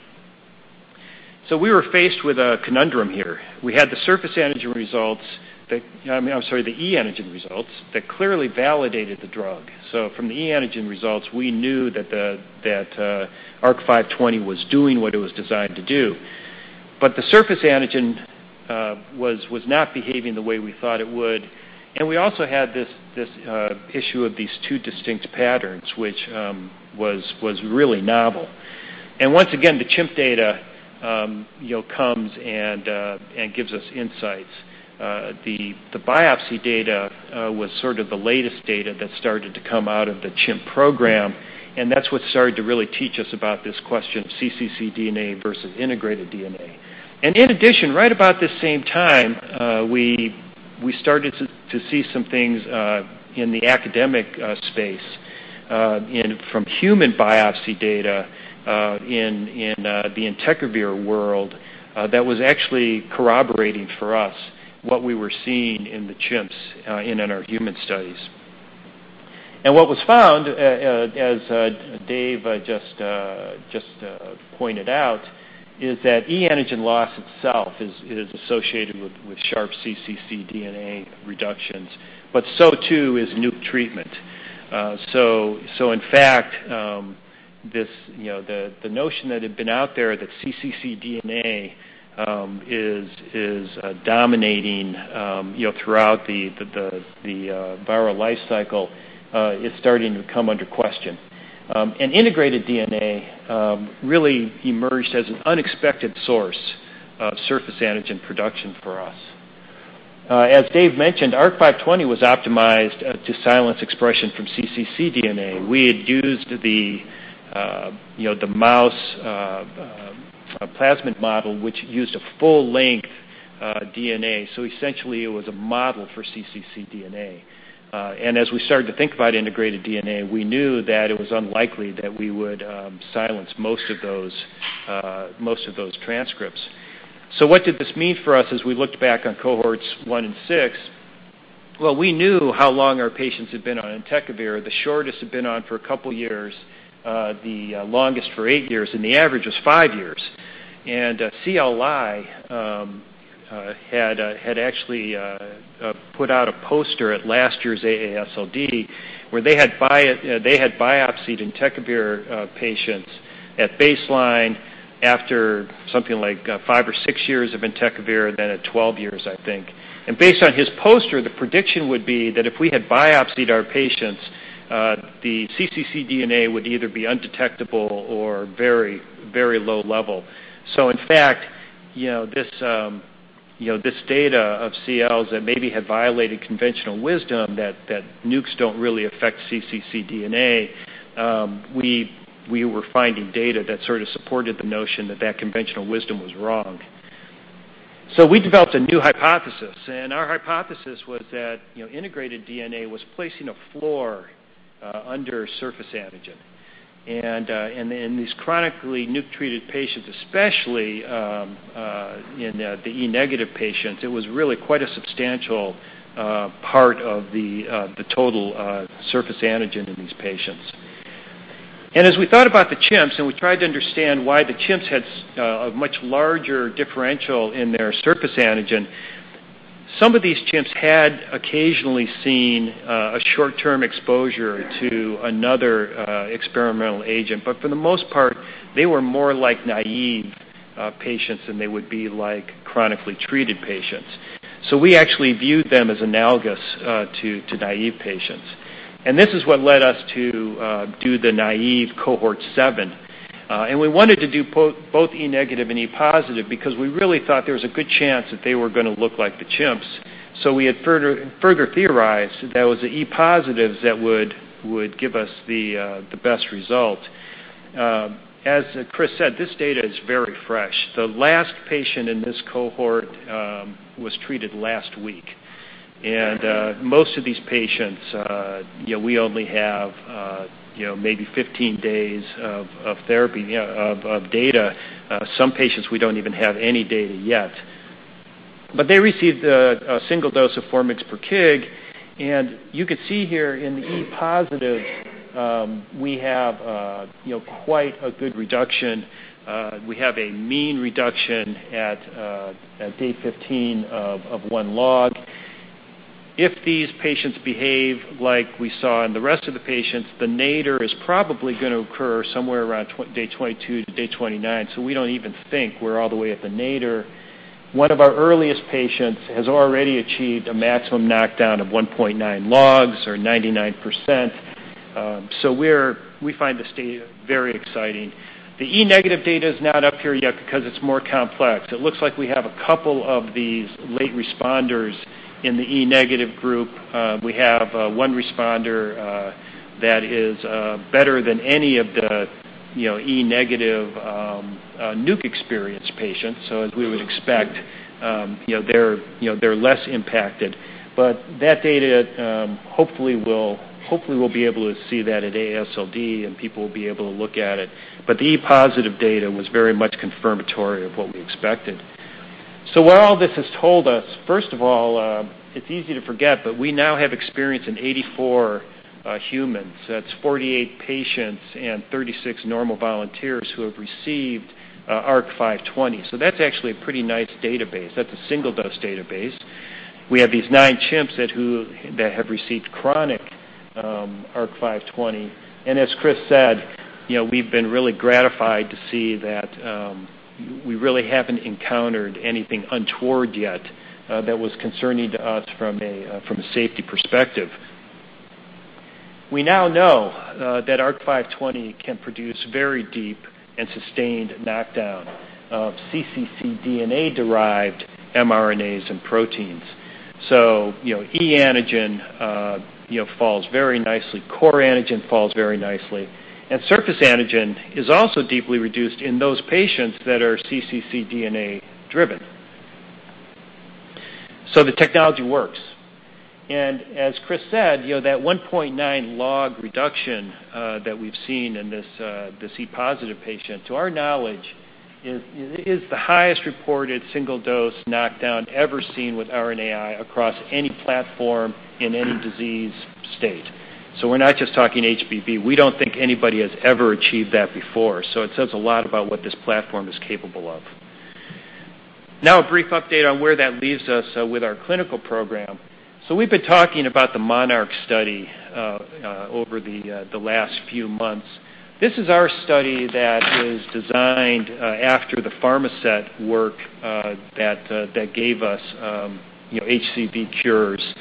We were faced with a conundrum here. We had the e antigen results that clearly validated the drug. From the e antigen results, we knew that ARC-520 was doing what it was designed to do. The S antigen was not behaving the way we thought it would. We also had this issue of these two distinct patterns, which was really novel. Once again, the chimp data comes and gives us insights. The biopsy data was sort of the latest data that started to come out of the chimp program, and that's what started to really teach us about this question of cccDNA versus integrated DNA. In addition, right about this same time, we started to see some things in the academic space from human biopsy data in the entecavir world that was actually corroborating for us what we were seeing in the chimps and in our human studies. What was found, as Dave just pointed out, is that e antigen loss itself is associated with sharp cccDNA reductions, but so too is NUC treatment. In fact, the notion that had been out there that cccDNA is dominating throughout the viral life cycle is starting to come under question. Integrated DNA really emerged as an unexpected source of S antigen production for us. As Dave mentioned, ARC-520 was optimized to silence expression from cccDNA. We had used the mouse plasmid model, which used a full-length DNA. Essentially, it was a model for cccDNA. As we started to think about integrated DNA, we knew that it was unlikely that we would silence most of those transcripts. What did this mean for us as we looked back on cohorts 1 and 6? Well, we knew how long our patients had been on entecavir. The shortest had been on for a couple years, the longest for eight years, and the average was five years. C. Lai had actually put out a poster at last year's AASLD, where they had biopsied entecavir patients at baseline after something like five or six years of entecavir, then at 12 years, I think. Based on his poster, the prediction would be that if we had biopsied our patients, the cccDNA would either be undetectable or very low level. In fact, this data of C. Lai's that maybe had violated conventional wisdom that NUCs don't really affect cccDNA, we were finding data that sort of supported the notion that conventional wisdom was wrong. We developed a new hypothesis, and our hypothesis was that integrated DNA was placing a floor under S antigen. In these chronically NUC-treated patients, especially in the e-negative patients, it was really quite a substantial part of the total surface antigen in these patients. As we thought about the chimps, and we tried to understand why the chimps had a much larger differential in their surface antigen, some of these chimps had occasionally seen a short-term exposure to another experimental agent. For the most part, they were more like naive patients than they would be like chronically treated patients. We actually viewed them as analogous to naive patients. This is what led us to do the naive cohort 7. We wanted to do both e-negative and e-positive because we really thought there was a good chance that they were going to look like the chimps. We had further theorized that it was the e-positives that would give us the best result. As Chris said, this data is very fresh. The last patient in this cohort was treated last week. Most of these patients, we only have maybe 15 days of data. Some patients we don't even have any data yet. They received a single dose of four mgs per kg, and you could see here in the e-positive, we have quite a good reduction. We have a mean reduction at day 15 of one log. If these patients behave like we saw in the rest of the patients, the nadir is probably going to occur somewhere around day 22-day 29. We don't even think we're all the way at the nadir. One of our earliest patients has already achieved a maximum knockdown of 1.9 logs or 99%. We find this data very exciting. The e-negative data is not up here yet because it's more complex. It looks like we have a couple of these late responders in the e-negative group. We have one responder that is better than any of the e-negative NUC-experienced patients. As we would expect, they're less impacted. That data, hopefully, we'll be able to see that at AASLD and people will be able to look at it. The e-positive data was very much confirmatory of what we expected. What all this has told us, first of all, it's easy to forget, but we now have experience in 84 humans. That's 48 patients and 36 normal volunteers who have received ARC-520. That's actually a pretty nice database. That's a single-dose database. We have these nine chimps that have received chronic ARC-520. As Chris said, we've been really gratified to see that we really haven't encountered anything untoward yet that was concerning to us from a safety perspective. We now know that ARC-520 can produce very deep and sustained knockdown of cccDNA derived mRNAs and proteins. e antigen falls very nicely. Core antigen falls very nicely. Surface antigen is also deeply reduced in those patients that are cccDNA driven. The technology works. As Chris said, that 1.9 log reduction that we've seen in this e-positive patient, to our knowledge, is the highest reported single-dose knockdown ever seen with RNAi across any platform in any disease state. We're not just talking HBV. We don't think anybody has ever achieved that before. It says a lot about what this platform is capable of. Now a brief update on where that leaves us with our clinical program. We've been talking about the MONARCH study over the last few months. This is our study that was designed after the Pharmasset work that gave us HCV cures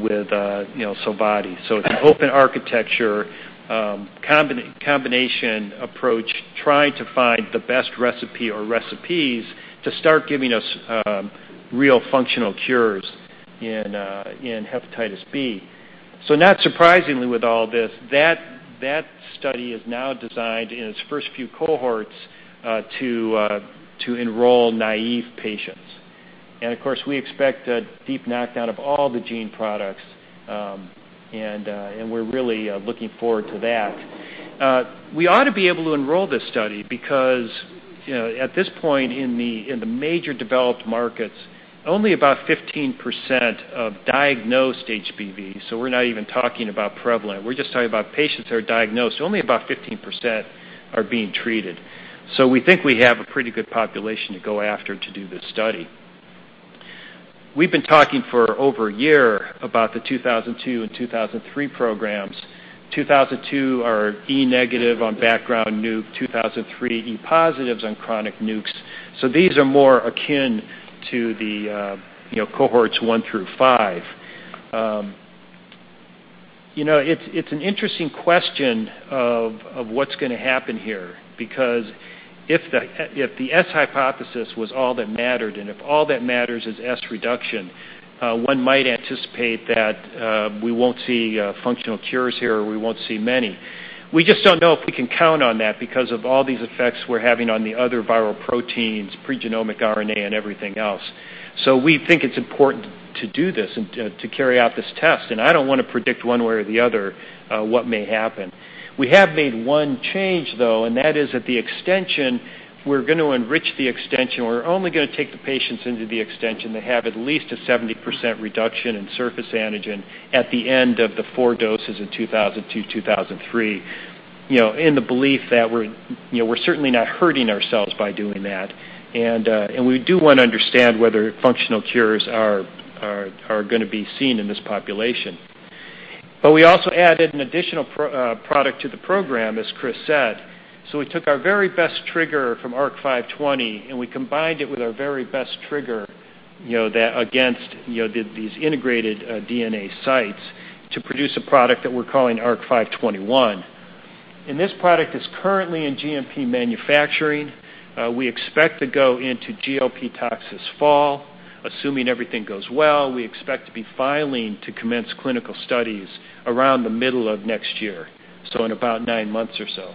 with Sovaldi. It's an open architecture combination approach trying to find the best recipe or recipes to start giving us real functional cures in hepatitis B. Not surprisingly with all this, that study is now designed in its first few cohorts to enroll naive patients. Of course, we expect a deep knockdown of all the gene products, and we're really looking forward to that. We ought to be able to enroll this study because at this point in the major developed markets, only about 15% of diagnosed HBV, we're not even talking about prevalent, we're just talking about patients that are diagnosed, only about 15% are being treated. We think we have a pretty good population to go after to do this study. We've been talking for over a year about the 2002 and 2003 programs. 2002 are E negative on background NUC, 2003 E positives on chronic NUCs. These are more akin to the cohorts one through five. It's an interesting question of what's going to happen here, because if the S hypothesis was all that mattered, and if all that matters is S reduction, one might anticipate that we won't see functional cures here, or we won't see many. We just don't know if we can count on that because of all these effects we're having on the other viral proteins, pregenomic RNA, and everything else. We think it's important to do this and to carry out this test, and I don't want to predict one way or the other what may happen. We have made one change, though, that is at the extension, we're going to enrich the extension. We're only going to take the patients into the extension that have at least a 70% reduction in surface antigen at the end of the four doses in 2002/2003, in the belief that we're certainly not hurting ourselves by doing that. We do want to understand whether functional cures are going to be seen in this population. We also added an additional product to the program, as Chris said. We took our very best trigger from ARC-520, and we combined it with our very best trigger against these integrated DNA sites to produce a product that we're calling ARC-521. This product is currently in GMP manufacturing. We expect to go into GLP tox this fall. Assuming everything goes well, we expect to be filing to commence clinical studies around the middle of next year, in about nine months or so.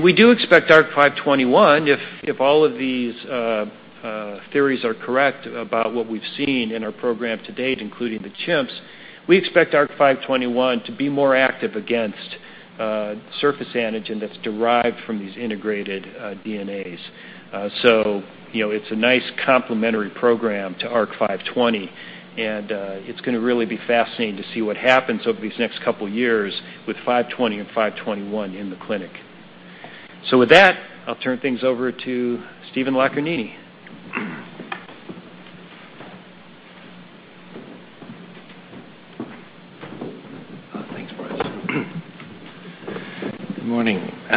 We do expect ARC-521, if all of these theories are correct about what we've seen in our program to date, including the chimps, we expect ARC-521 to be more active against surface antigen that's derived from these integrated DNAs. It's a nice complementary program to ARC-520, and it's going to really be fascinating to see what happens over these next couple of years with 520 and 521 in the clinic. With that, I'll turn things over to Stephen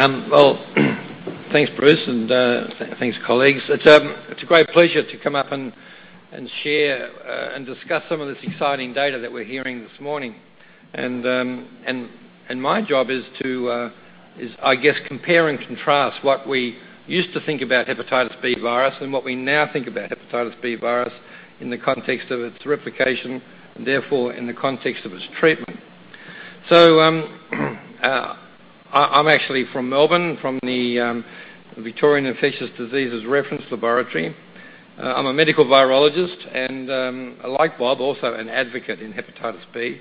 Locarnini. Thanks, Bruce. Good morning. Thanks, Bruce, and thanks, colleagues. It's a great pleasure to come up and share and discuss some of this exciting data that we're hearing this morning. My job is to, I guess, compare and contrast what we used to think about hepatitis B virus and what we now think about hepatitis B virus in the context of its replication, and therefore, in the context of its treatment. I'm actually from Melbourne, from the Victorian Infectious Diseases Reference Laboratory. I'm a medical virologist, and like Bob, also an advocate in hepatitis B.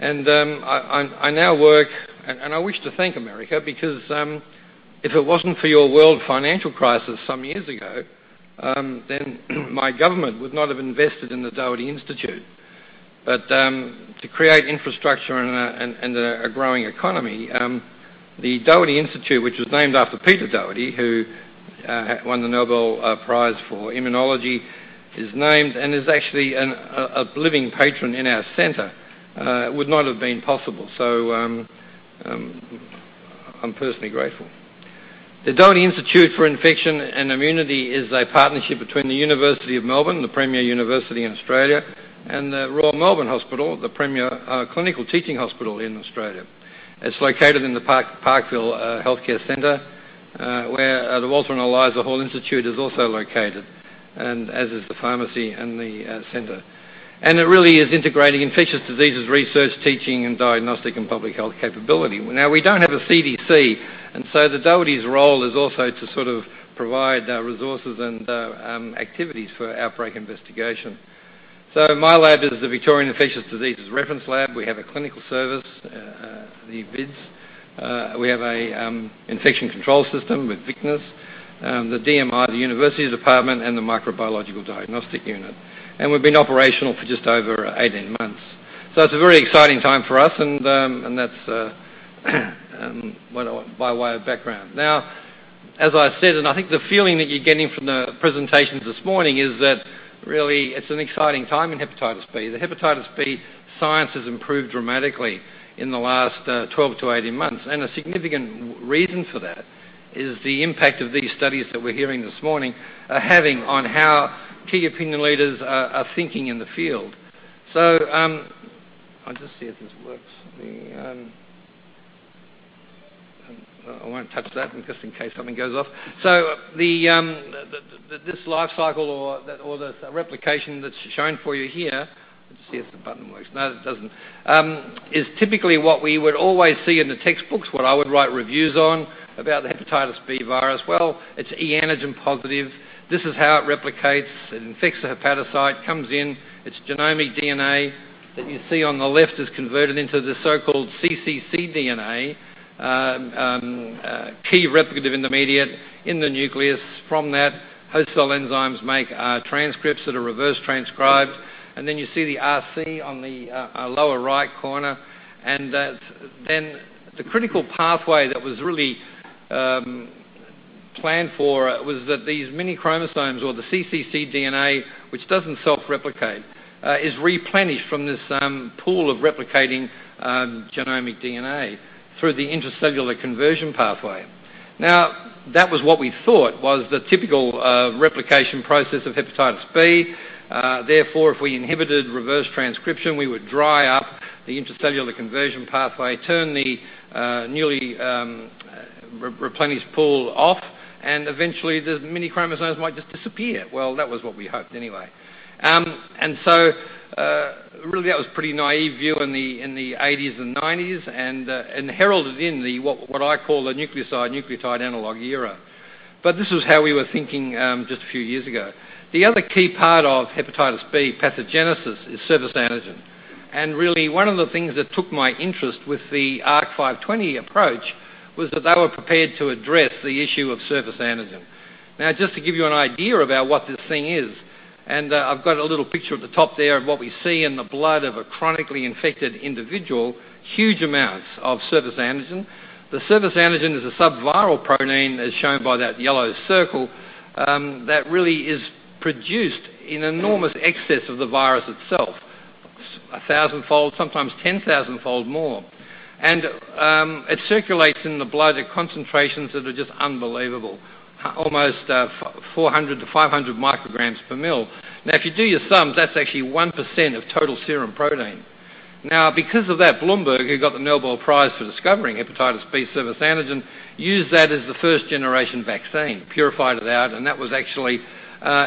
I now work, and I wish to thank America because if it wasn't for your world financial crisis some years ago, then my government would not have invested in the Doherty Institute. To create infrastructure and a growing economy, the Doherty Institute, which was named after Peter Doherty, who won the Nobel Prize for immunology, is named and is actually a living patron in our center. It would not have been possible. I'm personally grateful. The Doherty Institute for Infection and Immunity is a partnership between the University of Melbourne, the premier university in Australia, and The Royal Melbourne Hospital, the premier clinical teaching hospital in Australia. It's located in the Parkville Healthcare Center, where the Walter and Eliza Hall Institute of Medical Research is also located, and as is the pharmacy and the center. It really is integrating infectious diseases research, teaching, and diagnostic and public health capability. We don't have a CDC, the Doherty's role is also to sort of provide resources and activities for outbreak investigation. My lab is the Victorian Infectious Diseases Reference Lab. We have a clinical service, the VIDS. We have an infection control system with VICNISS, the DMI, the university department, and the microbiological diagnostic unit. We've been operational for just over 18 months. It's a very exciting time for us, and that's by way of background. As I said, I think the feeling that you're getting from the presentations this morning is that really, it's an exciting time in hepatitis B. The hepatitis B science has improved dramatically in the last 12 to 18 months, a significant reason for that is the impact of these studies that we're hearing this morning are having on how key opinion leaders are thinking in the field. I'll just see if this works. I won't touch that just in case something goes off. This life cycle or the replication that's shown for you here, let's see if the button works. No, it doesn't. Is typically what we would always see in the textbooks, what I would write reviews on about the hepatitis B virus. It's e antigen positive. This is how it replicates. It infects the hepatocyte, comes in, its genomic DNA that you see on the left is converted into the so-called cccDNA, key replicative intermediate in the nucleus. From that, host cell enzymes make transcripts that are reverse transcribed, then you see the RC on the lower right corner. The critical pathway that was really planned for was that these minichromosomes or the cccDNA, which doesn't self-replicate, is replenished from this pool of replicating genomic DNA through the intracellular conversion pathway. That was what we thought was the typical replication process of hepatitis B. Therefore, if we inhibited reverse transcription, we would dry up the intracellular conversion pathway, turn the newly replenished pool off, and eventually the mini chromosomes might just disappear. Well, that was what we hoped anyway. Really, that was pretty naive view in the '80s and '90s and heralded in what I call the nucleoside/nucleotide analog era. This was how we were thinking just a few years ago. The other key part of hepatitis B pathogenesis is surface antigen. Really, one of the things that took my interest with the ARC-520 approach was that they were prepared to address the issue of surface antigen. Now, just to give you an idea about what this thing is, I've got a little picture at the top there of what we see in the blood of a chronically infected individual, huge amounts of surface antigen. The surface antigen is a subviral protein, as shown by that yellow circle, that really is produced in enormous excess of the virus itself. A thousandfold, sometimes 10,000-fold more. It circulates in the blood at concentrations that are just unbelievable. Almost 400 to 500 micrograms per mil. Now, if you do your sums, that's actually 1% of total serum protein. Now, because of that, Blumberg, who got the Nobel Prize for discovering hepatitis B surface antigen, used that as the first-generation vaccine, purified it out, and that was actually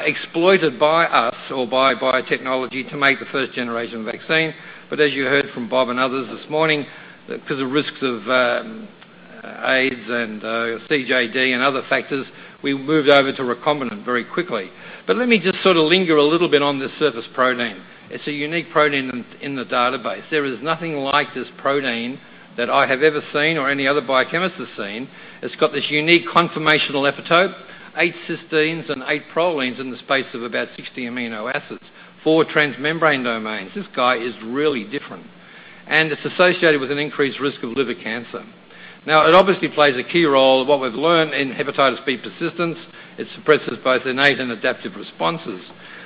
exploited by us or by biotechnology to make the first-generation vaccine. As you heard from Bob and others this morning, because of risks of AIDS and CJD and other factors, we moved over to recombinant very quickly. Let me just sort of linger a little bit on this surface protein. It's a unique protein in the database. There is nothing like this protein that I have ever seen or any other biochemist has seen. It's got this unique conformational epitope, eight cysteines and eight prolines in the space of about 60 amino acids, four transmembrane domains. This guy is really different, and it's associated with an increased risk of liver cancer. Now, it obviously plays a key role of what we've learned in hepatitis B persistence. It suppresses both innate and adaptive responses.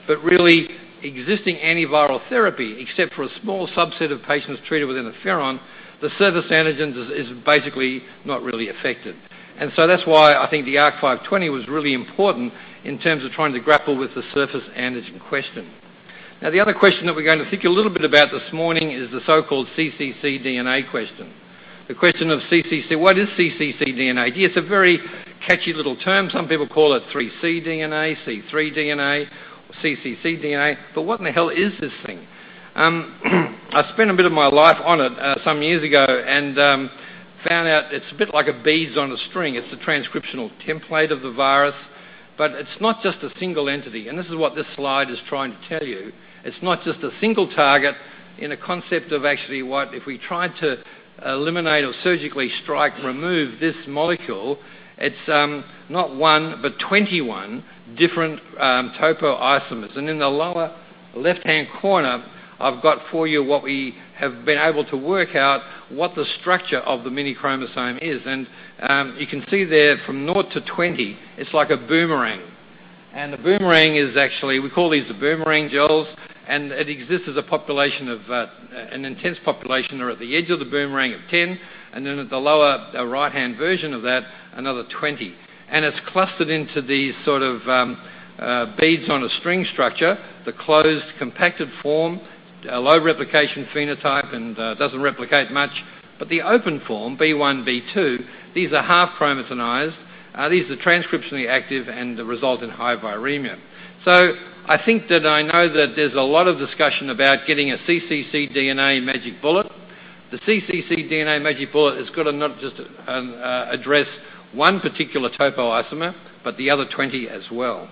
Really existing antiviral therapy, except for a small subset of patients treated with interferon, the surface antigens is basically not really affected. That's why I think the ARC-520 was really important in terms of trying to grapple with the surface antigen question. Now, the other question that we're going to think a little bit about this morning is the so-called cccDNA question. The question of CCC, what is cccDNA? It's a very catchy little term. Some people call it 3C DNA, C3 DNA, or cccDNA. What in the hell is this thing? I spent a bit of my life on it some years ago and found out it's a bit like beads on a string. It's a transcriptional template of the virus, but it's not just a single entity, and this is what this slide is trying to tell you. It's not just a single target in a concept of actually what if we tried to eliminate or surgically strike, remove this molecule. It's not one but 21 different topoisomers. In the lower left-hand corner, I've got for you what we have been able to work out, what the structure of the mini chromosome is. You can see there from naught to 20, it's like a boomerang. The boomerang is actually, we call these the boomerang gels, and it exists as an intense population or at the edge of the boomerang at 10, then at the lower right-hand version of that, another 20. It's clustered into these sort of beads-on-a-string structure, the closed compacted form, a low replication phenotype, and doesn't replicate much. The open form, B1, B2, these are half chromatinized. These are transcriptionally active and result in high viremia. I think that I know that there's a lot of discussion about getting a cccDNA magic bullet. The cccDNA magic bullet has got to not just address one particular topoisomer, but the other 20 as well.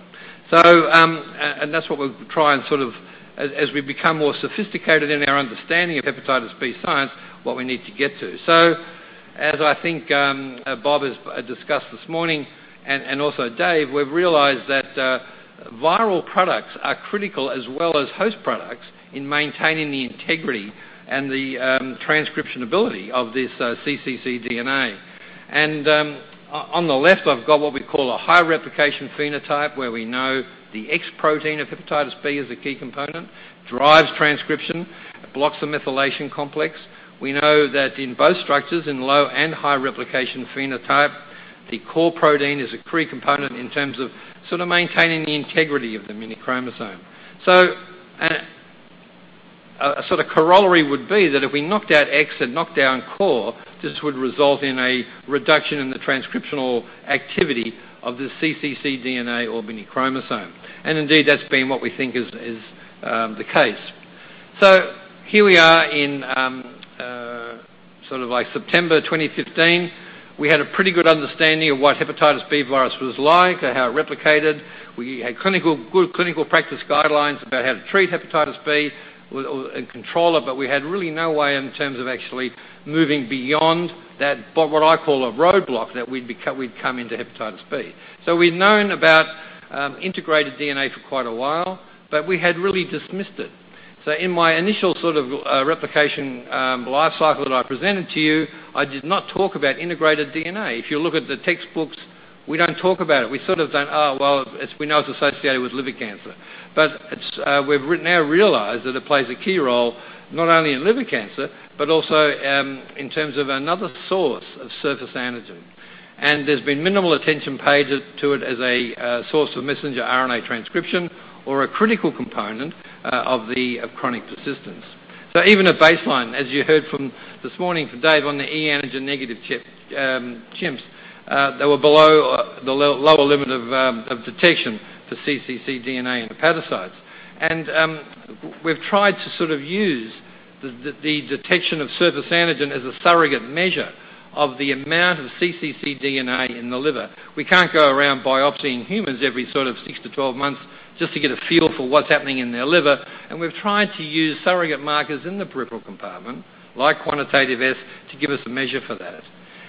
That's what we'll try and sort of, as we become more sophisticated in our understanding of hepatitis B science, what we need to get to. As I think Bob has discussed this morning, and also Dave, we've realized that viral products are critical as well as host products in maintaining the integrity and the transcription ability of this cccDNA. On the left, I've got what we call a high replication phenotype, where we know the X protein of hepatitis B is a key component, drives transcription, blocks the methylation complex. We know that in both structures, in low and high replication phenotype, the core protein is a key component in terms of sort of maintaining the integrity of the minichromosome. A sort of corollary would be that if we knocked out X and knocked down core, this would result in a reduction in the transcriptional activity of the cccDNA or minichromosome. Indeed, that's been what we think is the case. Here we are in sort of September 2015. We had a pretty good understanding of what hepatitis B virus was like and how it replicated. We had good clinical practice guidelines about how to treat hepatitis B and control it, but we had really no way in terms of actually moving beyond that, what I call a roadblock that we'd come into hepatitis B. We'd known about integrated DNA for quite a while, but we had really dismissed it. In my initial sort of replication life cycle that I presented to you, I did not talk about integrated DNA. If you look at the textbooks, we don't talk about it. We sort of don't, oh, well, we know it's associated with liver cancer. But we've now realized that it plays a key role not only in liver cancer but also in terms of another source of surface antigen. There's been minimal attention paid to it as a source of messenger RNA transcription or a critical component of chronic persistence. Even at baseline, as you heard this morning from Dave on the e antigen-negative chimps, they were below the lower limit of detection for cccDNA in hepatocytes. We've tried to sort of use the detection of surface antigen as a surrogate measure of the amount of cccDNA in the liver. We can't go around biopsying humans every sort of six to 12 months just to get a feel for what's happening in their liver. We've tried to use surrogate markers in the peripheral compartment, like quantitative S, to give us a measure for that.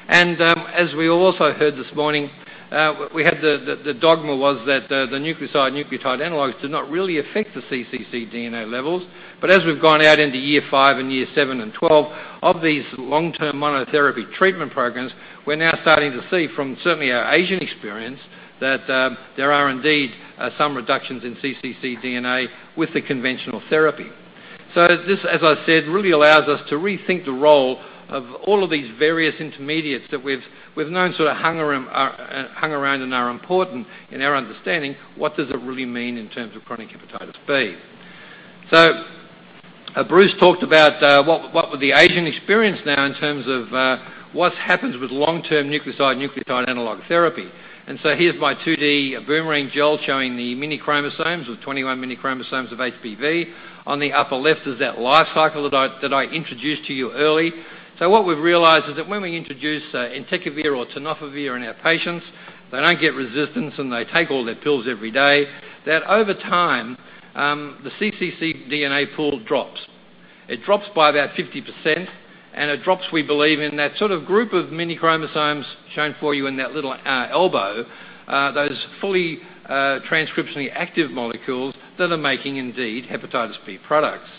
As we also heard this morning, the dogma was that the nucleoside/nucleotide analogs did not really affect the cccDNA levels. As we've gone out into year five and year seven and 12 of these long-term monotherapy treatment programs, we're now starting to see from certainly our Asian experience that there are indeed some reductions in cccDNA with the conventional therapy. This, as I said, really allows us to rethink the role of all of these various intermediates that we've known hung around and are important in our understanding. What does it really mean in terms of chronic hepatitis B? Bruce talked about what would the Asian experience now in terms of what happens with long-term nucleoside/nucleotide analog therapy. Here's my 2D boomerang gel showing the minichromosomes with 21 minichromosomes of HBV. On the upper left is that life cycle that I introduced to you early. What we've realized is that when we introduce entecavir or tenofovir in our patients, they don't get resistance, and they take all their pills every day, that over time, the cccDNA pool drops. It drops by about 50%, and it drops, we believe, in that group of minichromosomes shown for you in that little elbow, those fully transcriptionally active molecules that are making indeed hepatitis B products.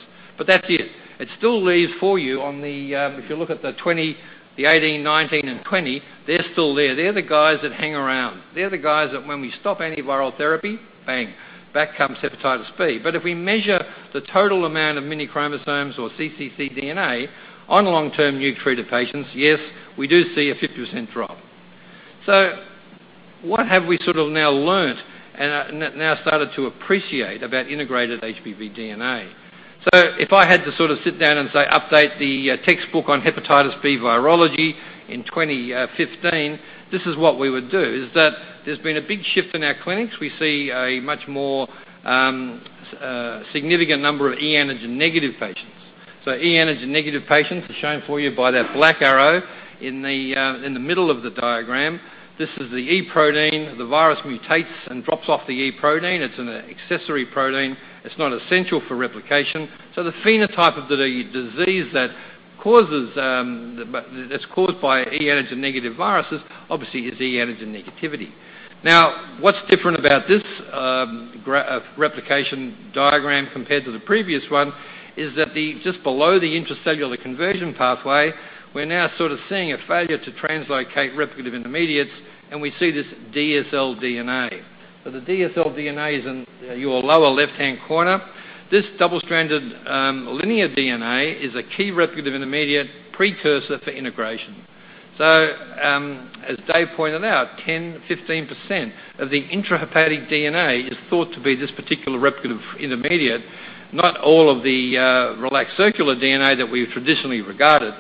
That's it. It still leaves for you on the, if you look at the 20, the 18, 19, and 20, they're still there. They're the guys that hang around. They're the guys that when we stop antiviral therapy, bang, back comes hepatitis B. If we measure the total amount of minichromosomes or cccDNA on long-term NUC-treated patients, yes, we do see a 50% drop. What have we now learned and now started to appreciate about integrated HBV DNA? If I had to sit down and, say, update the textbook on hepatitis B virology in 2015, this is what we would do, is that there's been a big shift in our clinics. We see a much more significant number of e antigen negative patients. E antigen negative patients are shown for you by that black arrow in the middle of the diagram. This is the e antigen. The virus mutates and drops off the e antigen. It's an accessory protein. It's not essential for replication. The phenotype of the disease that's caused by e antigen negative viruses obviously is e antigen negativity. What's different about this replication diagram compared to the previous one is that just below the intracellular conversion pathway, we're now seeing a failure to translocate replicative intermediates, and we see this DSL DNA. The DSL DNA is in your lower left-hand corner. This double-stranded linear DNA is a key replicative intermediate precursor for integration. As Dave pointed out, 10%-15% of the intrahepatic DNA is thought to be this particular replicative intermediate, not all of the relaxed circular DNA that we've traditionally regarded.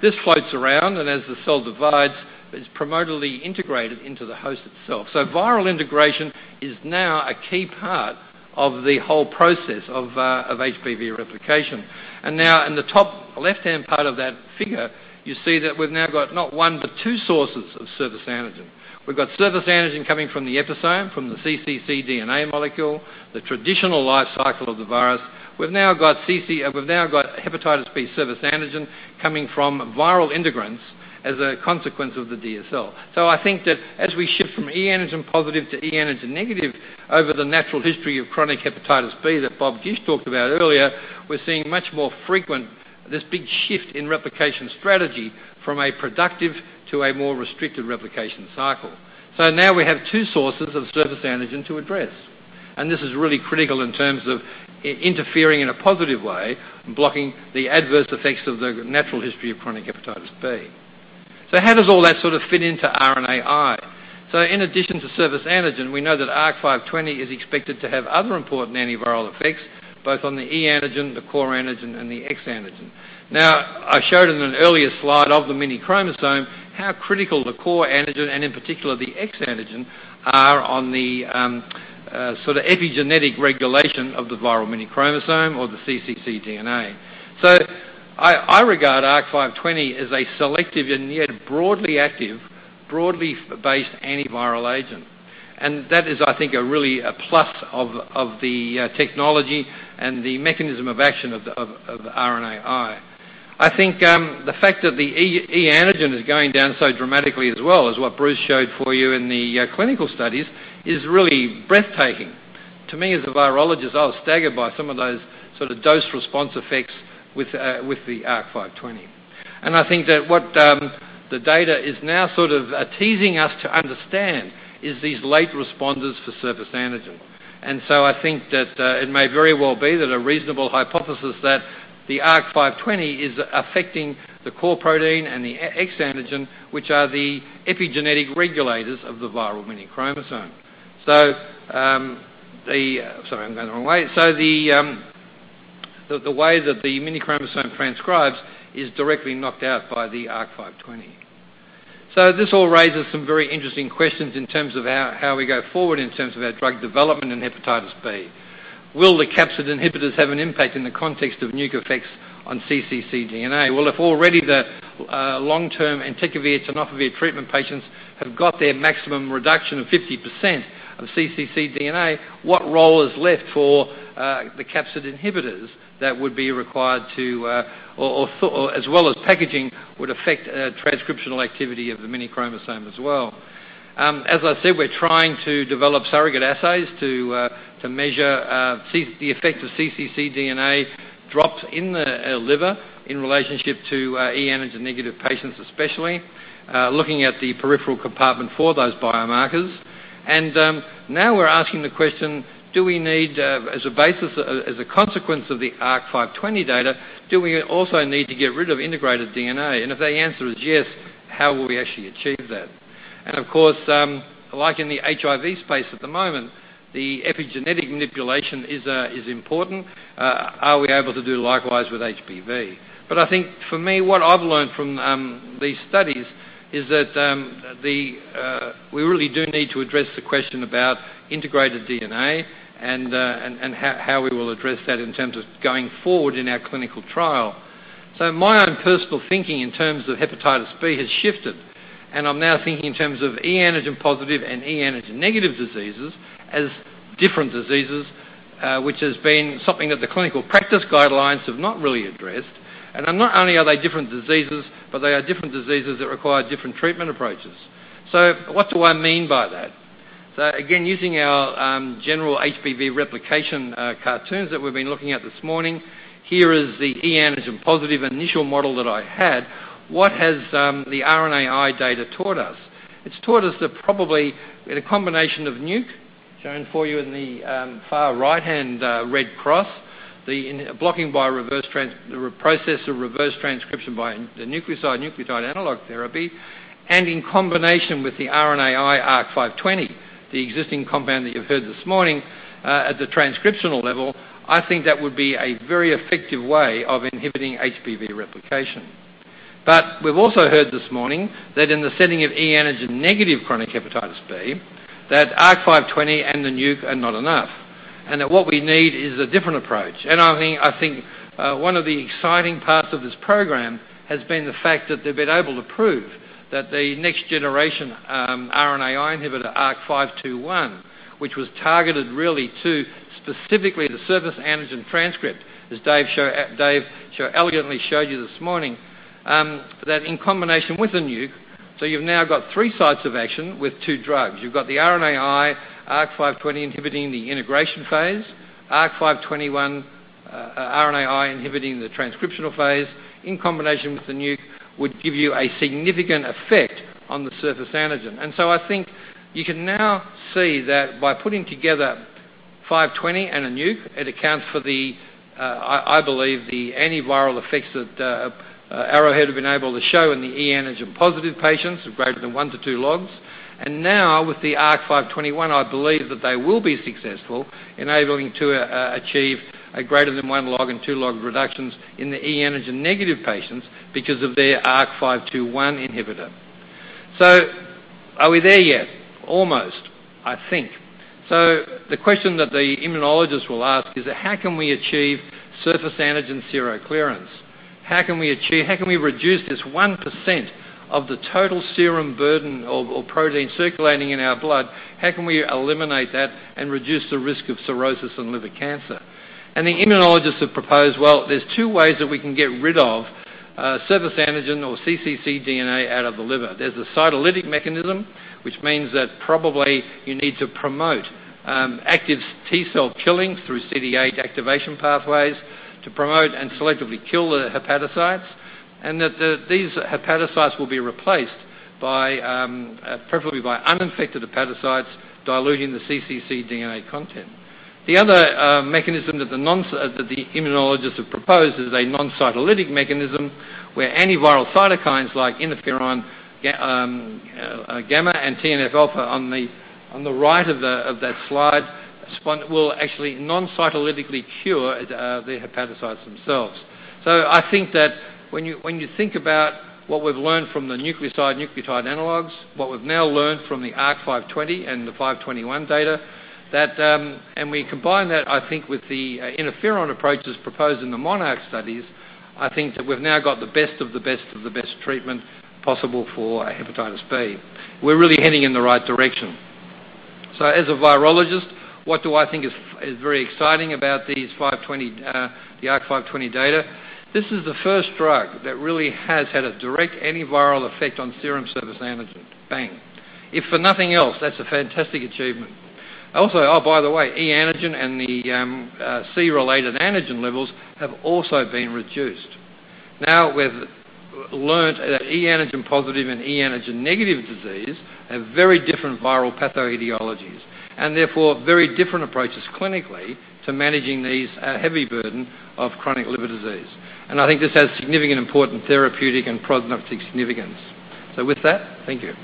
This floats around, and as the cell divides, it's promotorily integrated into the host itself. Viral integration is now a key part of the whole process of HBV replication. Now in the top left-hand part of that figure, you see that we've now got not one, but two sources of surface antigen. We've got surface antigen coming from the episome, from the cccDNA molecule, the traditional life cycle of the virus. We've now got hepatitis B surface antigen coming from viral integrants as a consequence of the DSL. I think that as we shift from e antigen positive to e antigen negative over the natural history of chronic hepatitis B that Bob Gish talked about earlier, we're seeing much more frequent, this big shift in replication strategy from a productive to a more restricted replication cycle. Now we have two sources of surface antigen to address, and this is really critical in terms of interfering in a positive way and blocking the adverse effects of the natural history of chronic hepatitis B. How does all that fit into RNAi? In addition to surface antigen, we know that ARC-520 is expected to have other important antiviral effects, both on the e antigen, the core antigen, and the X antigen. Now, I showed in an earlier slide of the minichromosome how critical the core antigen and, in particular, the X antigen are on the epigenetic regulation of the viral minichromosome or the cccDNA. I regard ARC-520 as a selective and yet broadly active, broadly based antiviral agent. That is, I think, really a plus of the technology and the mechanism of action of the RNAi. I think the fact that the e antigen is going down so dramatically as well as what Bruce showed for you in the clinical studies is really breathtaking. To me, as a virologist, I was staggered by some of those sort of dose-response effects with the ARC-520. I think that what the data is now sort of teasing us to understand is these late responders for surface antigen. I think that it may very well be that a reasonable hypothesis that the ARC-520 is affecting the core protein and the X antigen, which are the epigenetic regulators of the viral minichromosome. Sorry, I'm going the wrong way. The way that the minichromosome transcribes is directly knocked out by the ARC-520. This all raises some very interesting questions in terms of how we go forward in terms of our drug development in hepatitis B. Will the capsid inhibitors have an impact in the context of NUC effects on cccDNA? If already the long-term entecavir tenofovir treatment patients have got their maximum reduction of 50% of cccDNA, what role is left for the capsid inhibitors that would be required to or as well as packaging would affect transcriptional activity of the minichromosome as well? As I said, we're trying to develop surrogate assays to measure the effect of cccDNA drops in the liver in relationship to e antigen negative patients especially, looking at the peripheral compartment for those biomarkers. Now we're asking the question, as a consequence of the ARC-520 data, do we also need to get rid of integrated DNA? If the answer is yes, how will we actually achieve that? Of course, like in the HIV space at the moment, the epigenetic manipulation is important. Are we able to do likewise with HBV? I think for me, what I've learned from these studies is that we really do need to address the question about integrated DNA and how we will address that in terms of going forward in our clinical trial. My own personal thinking in terms of hepatitis B has shifted, and I'm now thinking in terms of e antigen positive and e antigen negative diseases as different diseases, which has been something that the clinical practice guidelines have not really addressed. Not only are they different diseases, but they are different diseases that require different treatment approaches. What do I mean by that? Again, using our general HBV replication cartoons that we've been looking at this morning, here is the e antigen positive initial model that I had. What has the RNAi data taught us? It's taught us that probably in a combination of Nuc, shown for you in the far right-hand red cross, the process of reverse transcription by the nucleoside/nucleotide analog therapy, and in combination with the RNAi ARC-520, the existing compound that you've heard this morning at the transcriptional level, I think that would be a very effective way of inhibiting HBV replication. We've also heard this morning that in the setting of e antigen negative chronic hepatitis B, that ARC-520 and the Nuc are not enough and that what we need is a different approach. I think one of the exciting parts of this program has been the fact that they've been able to prove that the next generation RNAi inhibitor ARC-521, which was targeted really to specifically the surface antigen transcript, as Dave elegantly showed you this morning. That in combination with the Nuc, you've now got three sites of action with two drugs. You've got the RNAi ARC-520 inhibiting the integration phase, ARC-521 RNAi inhibiting the transcriptional phase, in combination with the Nuc would give you a significant effect on the surface antigen. I think you can now see that by putting together 520 and a Nuc, it accounts for, I believe, the antiviral effects that Arrowhead have been able to show in the e antigen positive patients of greater than one to two logs. Now with the ARC-521, I believe that they will be successful in achieving a greater than one log and two log reductions in the e antigen negative patients because of their ARC-521 inhibitor. Are we there yet? Almost, I think. The question that the immunologist will ask is how can we achieve surface antigen seroclearance? How can we reduce this 1% of the total serum burden of protein circulating in our blood? How can we eliminate that and reduce the risk of cirrhosis and liver cancer? The immunologists have proposed, there's two ways that we can get rid of surface antigen or cccDNA out of the liver. There's the cytolytic mechanism, which means that probably you need to promote active T cell killing through CD8 activation pathways to promote and selectively kill the hepatocytes, and that these hepatocytes will be replaced preferably by uninfected hepatocytes diluting the cccDNA content. The other mechanism that the immunologists have proposed is a noncytolytic mechanism where antiviral cytokines like interferon gamma and TNF alpha on the right of that slide will actually noncytolytically cure the hepatocytes themselves. I think that when you think about what we've learned from the nucleoside/nucleotide analogues, what we've now learned from the ARC-520 and the ARC-521 data, and we combine that, I think, with the interferon approaches proposed in the MONARCH studies, I think that we've now got the best of the best of the best treatment possible for hepatitis B. We're really heading in the right direction. As a virologist, what do I think is very exciting about the ARC-520 data? This is the first drug that really has had a direct antiviral effect on serum surface antigen. Bang. If for nothing else, that's a fantastic achievement. Also, by the way, e antigen and the core-related antigen levels have also been reduced. We've learned that e antigen positive and e antigen negative disease have very different viral pathobiologies and therefore very different approaches clinically to managing these heavy burden of chronic liver disease. And I think this has significant important therapeutic and prognostic significance. With that, thank you.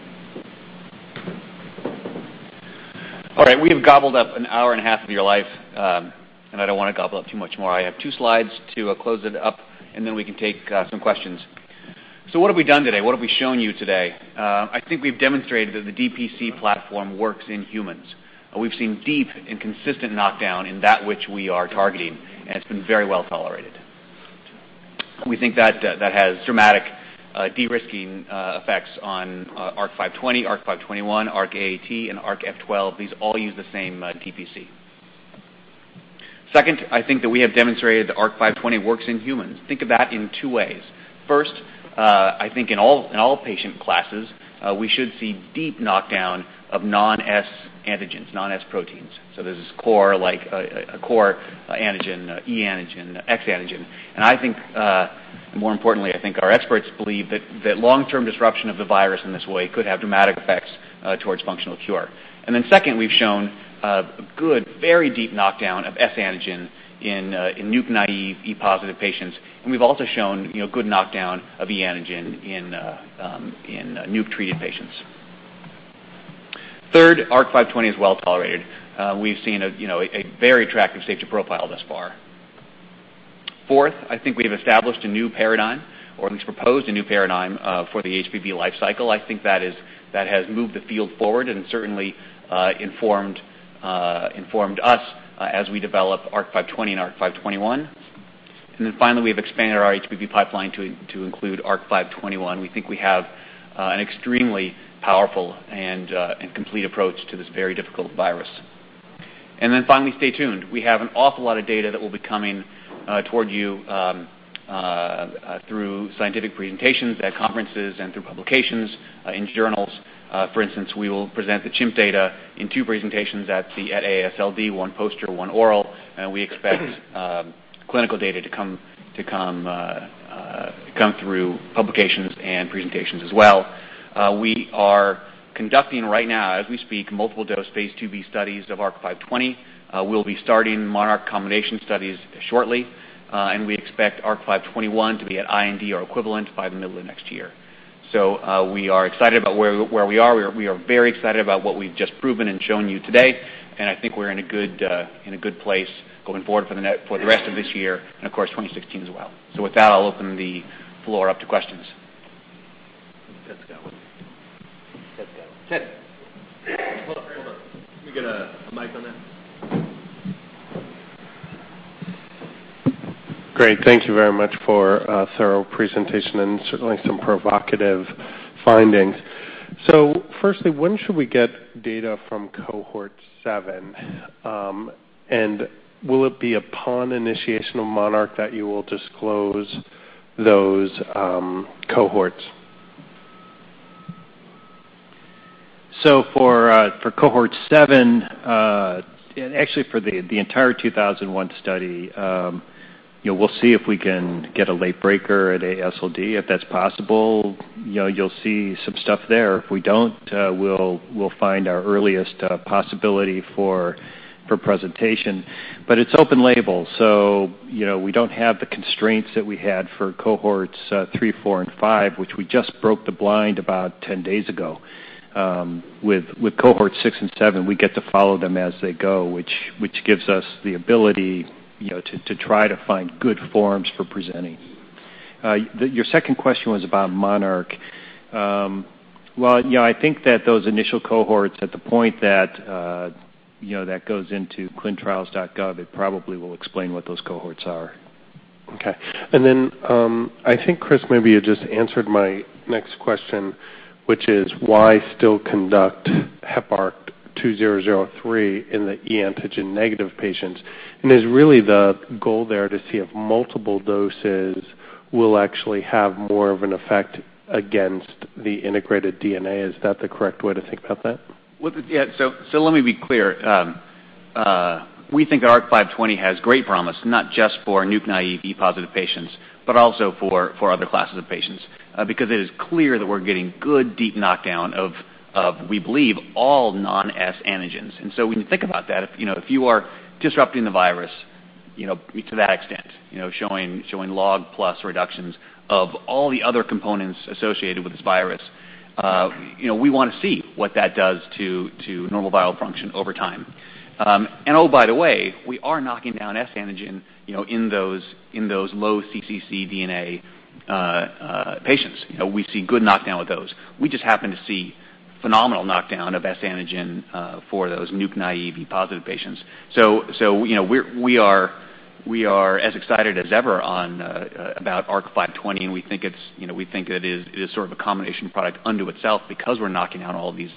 All right. We have gobbled up an hour and a half of your life, and I don't want to gobble up too much more. I have two slides to close it up, and then we can take some questions. What have we done today? What have we shown you today? I think we've demonstrated that the DPC platform works in humans. We've seen deep and consistent knockdown in that which we are targeting, and it's been very well-tolerated. We think that has dramatic de-risking effects on ARC-520, ARC-521, ARC-AAT, and ARC-F12. These all use the same DPC. Second, I think that we have demonstrated that ARC-520 works in humans. Think of that in two ways. First- I think in all patient classes, we should see deep knockdown of non-S antigens, non-S proteins. There's this core antigen, e antigen, X antigen. More importantly, I think our experts believe that long-term disruption of the virus in this way could have dramatic effects towards functional cure. Second, we've shown a good, very deep knockdown of S antigen in NUC-naïve, e positive patients, and we've also shown good knockdown of e antigen in NUC-treated patients. Third, ARC-520 is well-tolerated. We've seen a very attractive safety profile thus far. Fourth, I think we have established a new paradigm, or at least proposed a new paradigm, for the HBV life cycle. I think that has moved the field forward and certainly informed us as we develop ARC-520 and ARC-521. Finally, we've expanded our HBV pipeline to include ARC-521. We think we have an extremely powerful and complete approach to this very difficult virus. Finally, stay tuned. We have an awful lot of data that will be coming toward you through scientific presentations at conferences and through publications in journals. For instance, we will present the chimp data in two presentations at the AASLD, one poster, one oral, and we expect clinical data to come through publications and presentations as well. We are conducting right now, as we speak, multiple dose phase IIb studies of ARC-520. We'll be starting MONARCH combination studies shortly, and we expect ARC-521 to be at IND or equivalent by the middle of next year. We are excited about where we are. We are very excited about what we've just proven and shown you today, and I think we're in a good place going forward for the rest of this year and of course 2016 as well. With that, I'll open the floor up to questions. I think Ted's got one. Ted's got one. Ted. Hold on. Hold on. Let me get a mic on that. Great. Thank you very much for a thorough presentation and certainly some provocative findings. Firstly, when should we get data from cohort 7, and will it be upon initiation of MONARCH that you will disclose those cohorts? For cohort 7, and actually for the entire 2001 study, we will see if we can get a late breaker at AASLD, if that's possible. You will see some stuff there. If we don't, we will find our earliest possibility for presentation. But it's open label, we don't have the constraints that we had for cohorts 3, 4, and 5, which we just broke the blind about 10 days ago. With cohorts 6 and 7, we get to follow them as they go, which gives us the ability to try to find good forums for presenting. Your second question was about MONARCH. Well, I think that those initial cohorts at the point that goes into clinicaltrials.gov, it probably will explain what those cohorts are. I think, Chris, maybe you just answered my next question, which is why still conduct HEPARC-2004 in the e antigen-negative patients? Is really the goal there to see if multiple doses will actually have more of an effect against the integrated DNA? Is that the correct way to think about that? Let me be clear. We think that ARC-520 has great promise, not just for NUC-naïve, e positive patients, but also for other classes of patients, because it is clear that we're getting good deep knockdown of, we believe, all non-S antigens. When you think about that, if you are disrupting the virus to that extent, showing log-plus reductions of all the other components associated with this virus, we want to see what that does to normal bio function over time. Oh, by the way, we are knocking down S antigen in those low cccDNA patients. We see good knockdown with those. We just happen to see phenomenal knockdown of S antigen for those NUC-naïve, e positive patients. We are as excited as ever about ARC-520, and we think it is sort of a combination product unto itself because we're knocking out all these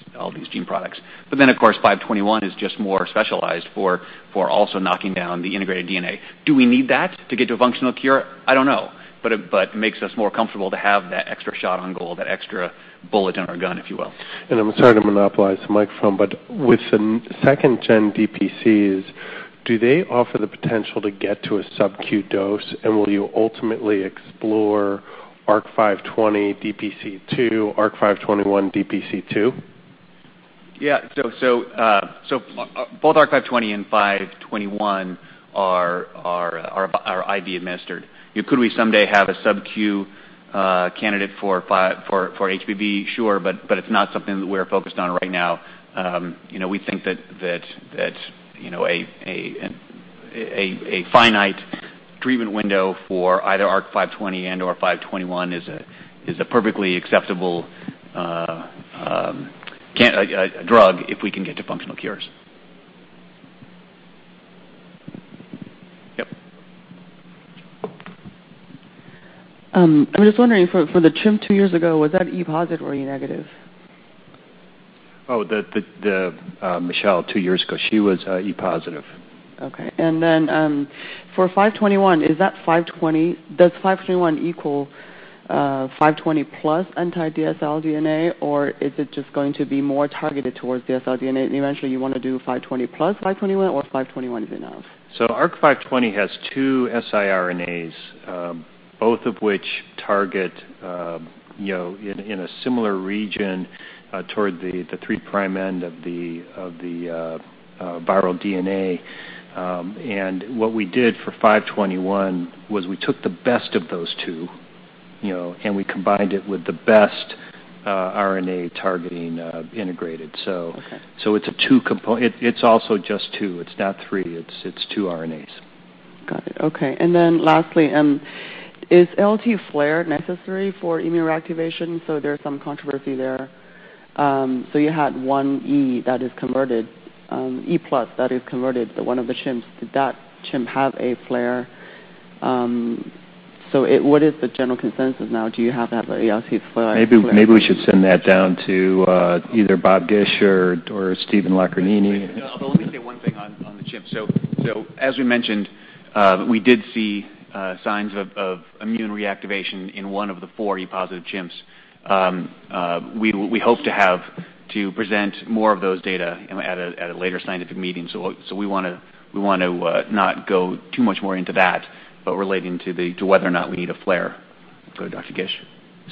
gene products. But then, of course, 521 is just more specialized for also knocking down the integrated DNA. Do we need that to get to a functional cure? I don't know, but it makes us more comfortable to have that extra shot on goal, that extra bullet in our gun, if you will. I'm sorry to monopolize the microphone, with the second-gen DPCs, do they offer the potential to get to a subq dose, and will you ultimately explore ARC-520 DPC, ARC-521 DPC? Both ARC-520 and 521 are IV administered. Could we someday have a subq candidate for HBV? It's not something that we're focused on right now. We think that a finite treatment window for either ARC-520 and/or 521 is a perfectly acceptable drug if we can get to functional cures. Yep. I'm just wondering, for the chimp two years ago, was that e positive or e negative? Michelle two years ago, she was e positive. Okay. For 521, does 521 equal 520 plus anti-DSL DNA, or is it just going to be more targeted towards DSL DNA? Eventually, you want to do 520 plus 521, or 521 is enough. ARC-520 has two siRNAs, both of which target in a similar region toward the three prime end of the viral DNA. What we did for 521 was we took the best of those two, and we combined it with the best RNA targeting integrated. Okay. It's a two component. It's also just two. It's not three. It's two RNAs. Got it. Okay. Lastly, is ALT flare necessary for immune reactivation? There's some controversy there. You had one e plus that is converted to one of the chimps. Did that chimp have a flare? What is the general consensus now? Do you have that ALT flare? Maybe we should send that down to either Bob Gish or Stephen Locarnini. Let me say one thing on the chimps. As we mentioned, we did see signs of immune reactivation in one of the four e positive chimps. We hope to present more of those data at a later scientific meeting. We want to not go too much more into that, but relating to whether or not we need a flare. Go, Dr. Gish.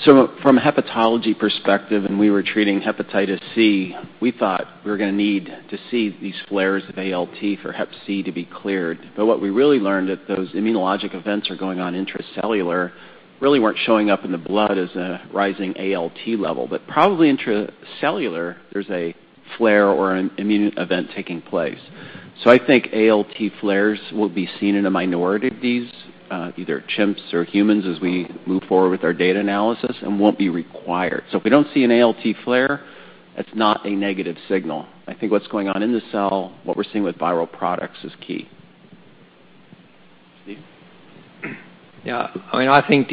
From a hepatology perspective, we were treating hepatitis C, we thought we were going to need to see these flares of ALT for hep C to be cleared. What we really learned that those immunologic events are going on intracellular really weren't showing up in the blood as a rising ALT level, but probably intracellular, there's a flare or an immune event taking place. I think ALT flares will be seen in a minority of these, either chimps or humans, as we move forward with our data analysis and won't be required. If we don't see an ALT flare, that's not a negative signal. I think what's going on in the cell, what we're seeing with viral products is key. Steve. Yeah. I think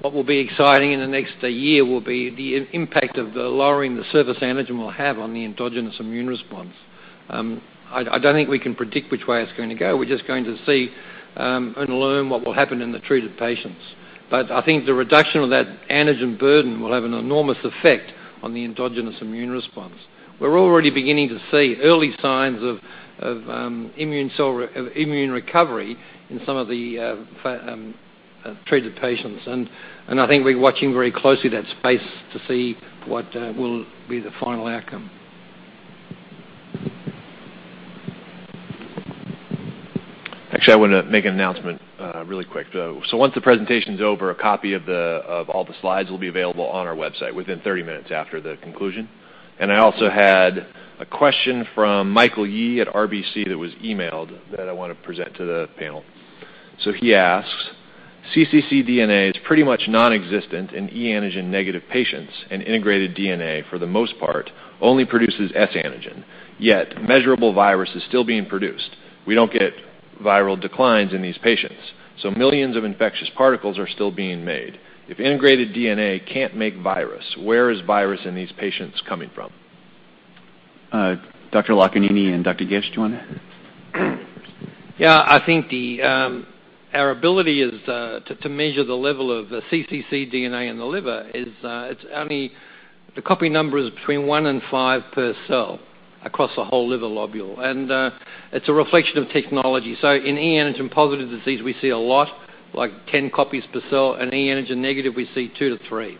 what will be exciting in the next year will be the impact of the lowering the surface antigen will have on the endogenous immune response. I don't think we can predict which way it's going to go. We're just going to see and learn what will happen in the treated patients. I think the reduction of that antigen burden will have an enormous effect on the endogenous immune response. We're already beginning to see early signs of immune recovery in some of the treated patients, and I think we're watching very closely that space to see what will be the final outcome. Actually, I want to make an announcement really quick. Once the presentation's over, a copy of all the slides will be available on our website within 30 minutes after the conclusion. I also had a question from Michael Yee at RBC that was emailed that I want to present to the panel. He asks, "cccDNA is pretty much non-existent in e antigen negative patients, and integrated DNA, for the most part, only produces S antigen. Yet measurable virus is still being produced. We don't get viral declines in these patients, so millions of infectious particles are still being made. If integrated DNA can't make virus, where is virus in these patients coming from? Dr. Locarnini and Dr. Gish, do you want to- I think our ability is to measure the level of the cccDNA in the liver is it's only the copy number is between 1 and 5 per cell across the whole liver lobule, and it's a reflection of technology. In e antigen positive disease, we see a lot, like 10 copies per cell. In e antigen negative, we see 2 to 3.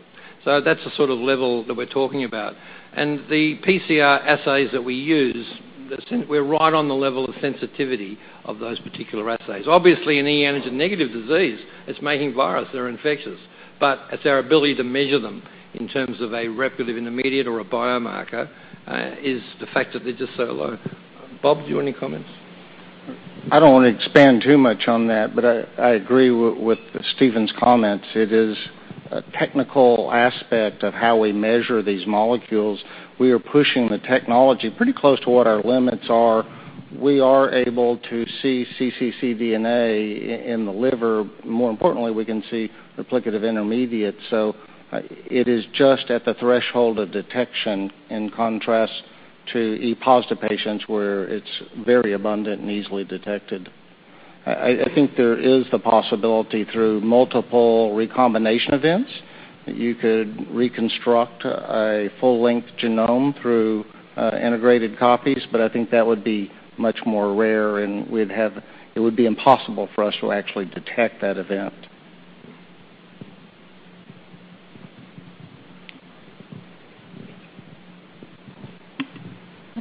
That's the sort of level that we're talking about. The PCR assays that we use, we're right on the level of sensitivity of those particular assays. Obviously, in e antigen negative disease, it's making virus, they're infectious, but it's our ability to measure them in terms of a replicative intermediate or a biomarker is the fact that they're just so low. Bob, do you have any comments? I don't want to expand too much on that. I agree with Stephen's comments. It is a technical aspect of how we measure these molecules. We are pushing the technology pretty close to what our limits are. We are able to see cccDNA in the liver. More importantly, we can see replicative intermediates. It is just at the threshold of detection, in contrast to e positive patients, where it's very abundant and easily detected. I think there is the possibility through multiple recombination events that you could reconstruct a full-length genome through integrated copies. I think that would be much more rare, and it would be impossible for us to actually detect that event.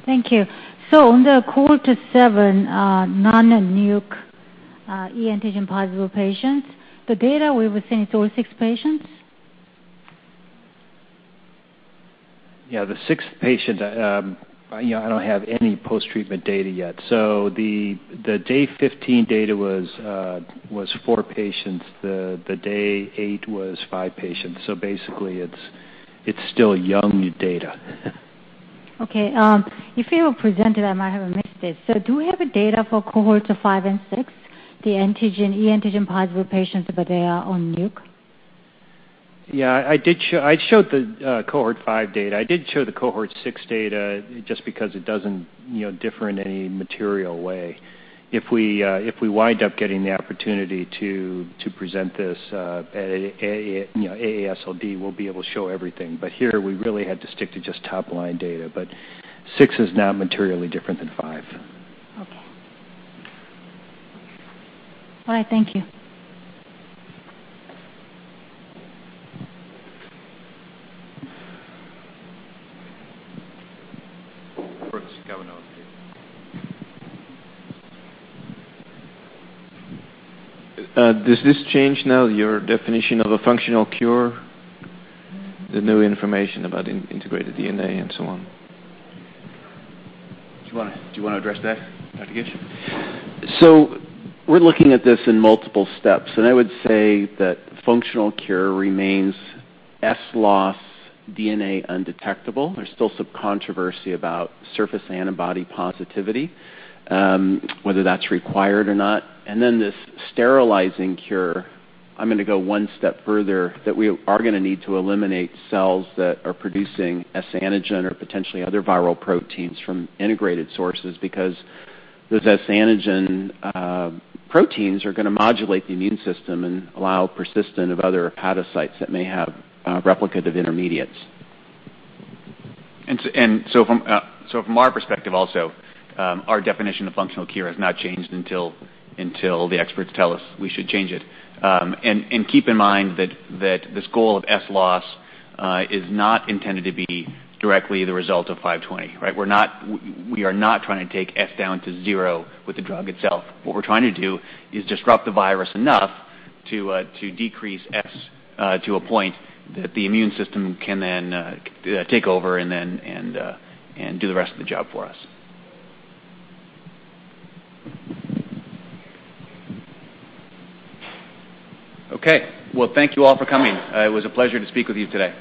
Thank you. On the cohort of seven non-Nuc e antigen positive patients, the data we were seeing is only six patients? Yeah, the sixth patient, I don't have any post-treatment data yet. The day 15 data was four patients. The day 8 was five patients. Basically, it's still young data. Okay. If you presented, I might have missed it. Do we have data for cohorts five and six, the e antigen positive patients, but they are on NUC? Yeah, I showed the cohort five data. I didn't show the cohort six data just because it doesn't differ in any material way. If we wind up getting the opportunity to present this at AASLD, we'll be able to show everything. Here, we really had to stick to just top-line data. Six is not materially different than five. Okay. All right, thank you. For Scavenna. Does this change now your definition of a functional cure, the new information about integrated DNA and so on? Do you want to address that, Dr. Gish? We're looking at this in multiple steps, I would say that functional cure remains S-loss, DNA undetectable. There's still some controversy about surface antibody positivity, whether that's required or not. Then this sterilizing cure, I'm going to go one step further that we are going to need to eliminate cells that are producing S antigen or potentially other viral proteins from integrated sources, because those S antigen proteins are going to modulate the immune system and allow persistent of other hepatocytes that may have replicative intermediates. From our perspective also, our definition of functional cure has not changed until the experts tell us we should change it. Keep in mind that this goal of S-loss is not intended to be directly the result of 520. We are not trying to take S down to zero with the drug itself. What we're trying to do is disrupt the virus enough to decrease S to a point that the immune system can then take over and do the rest of the job for us. Okay. Well, thank you all for coming. It was a pleasure to speak with you today.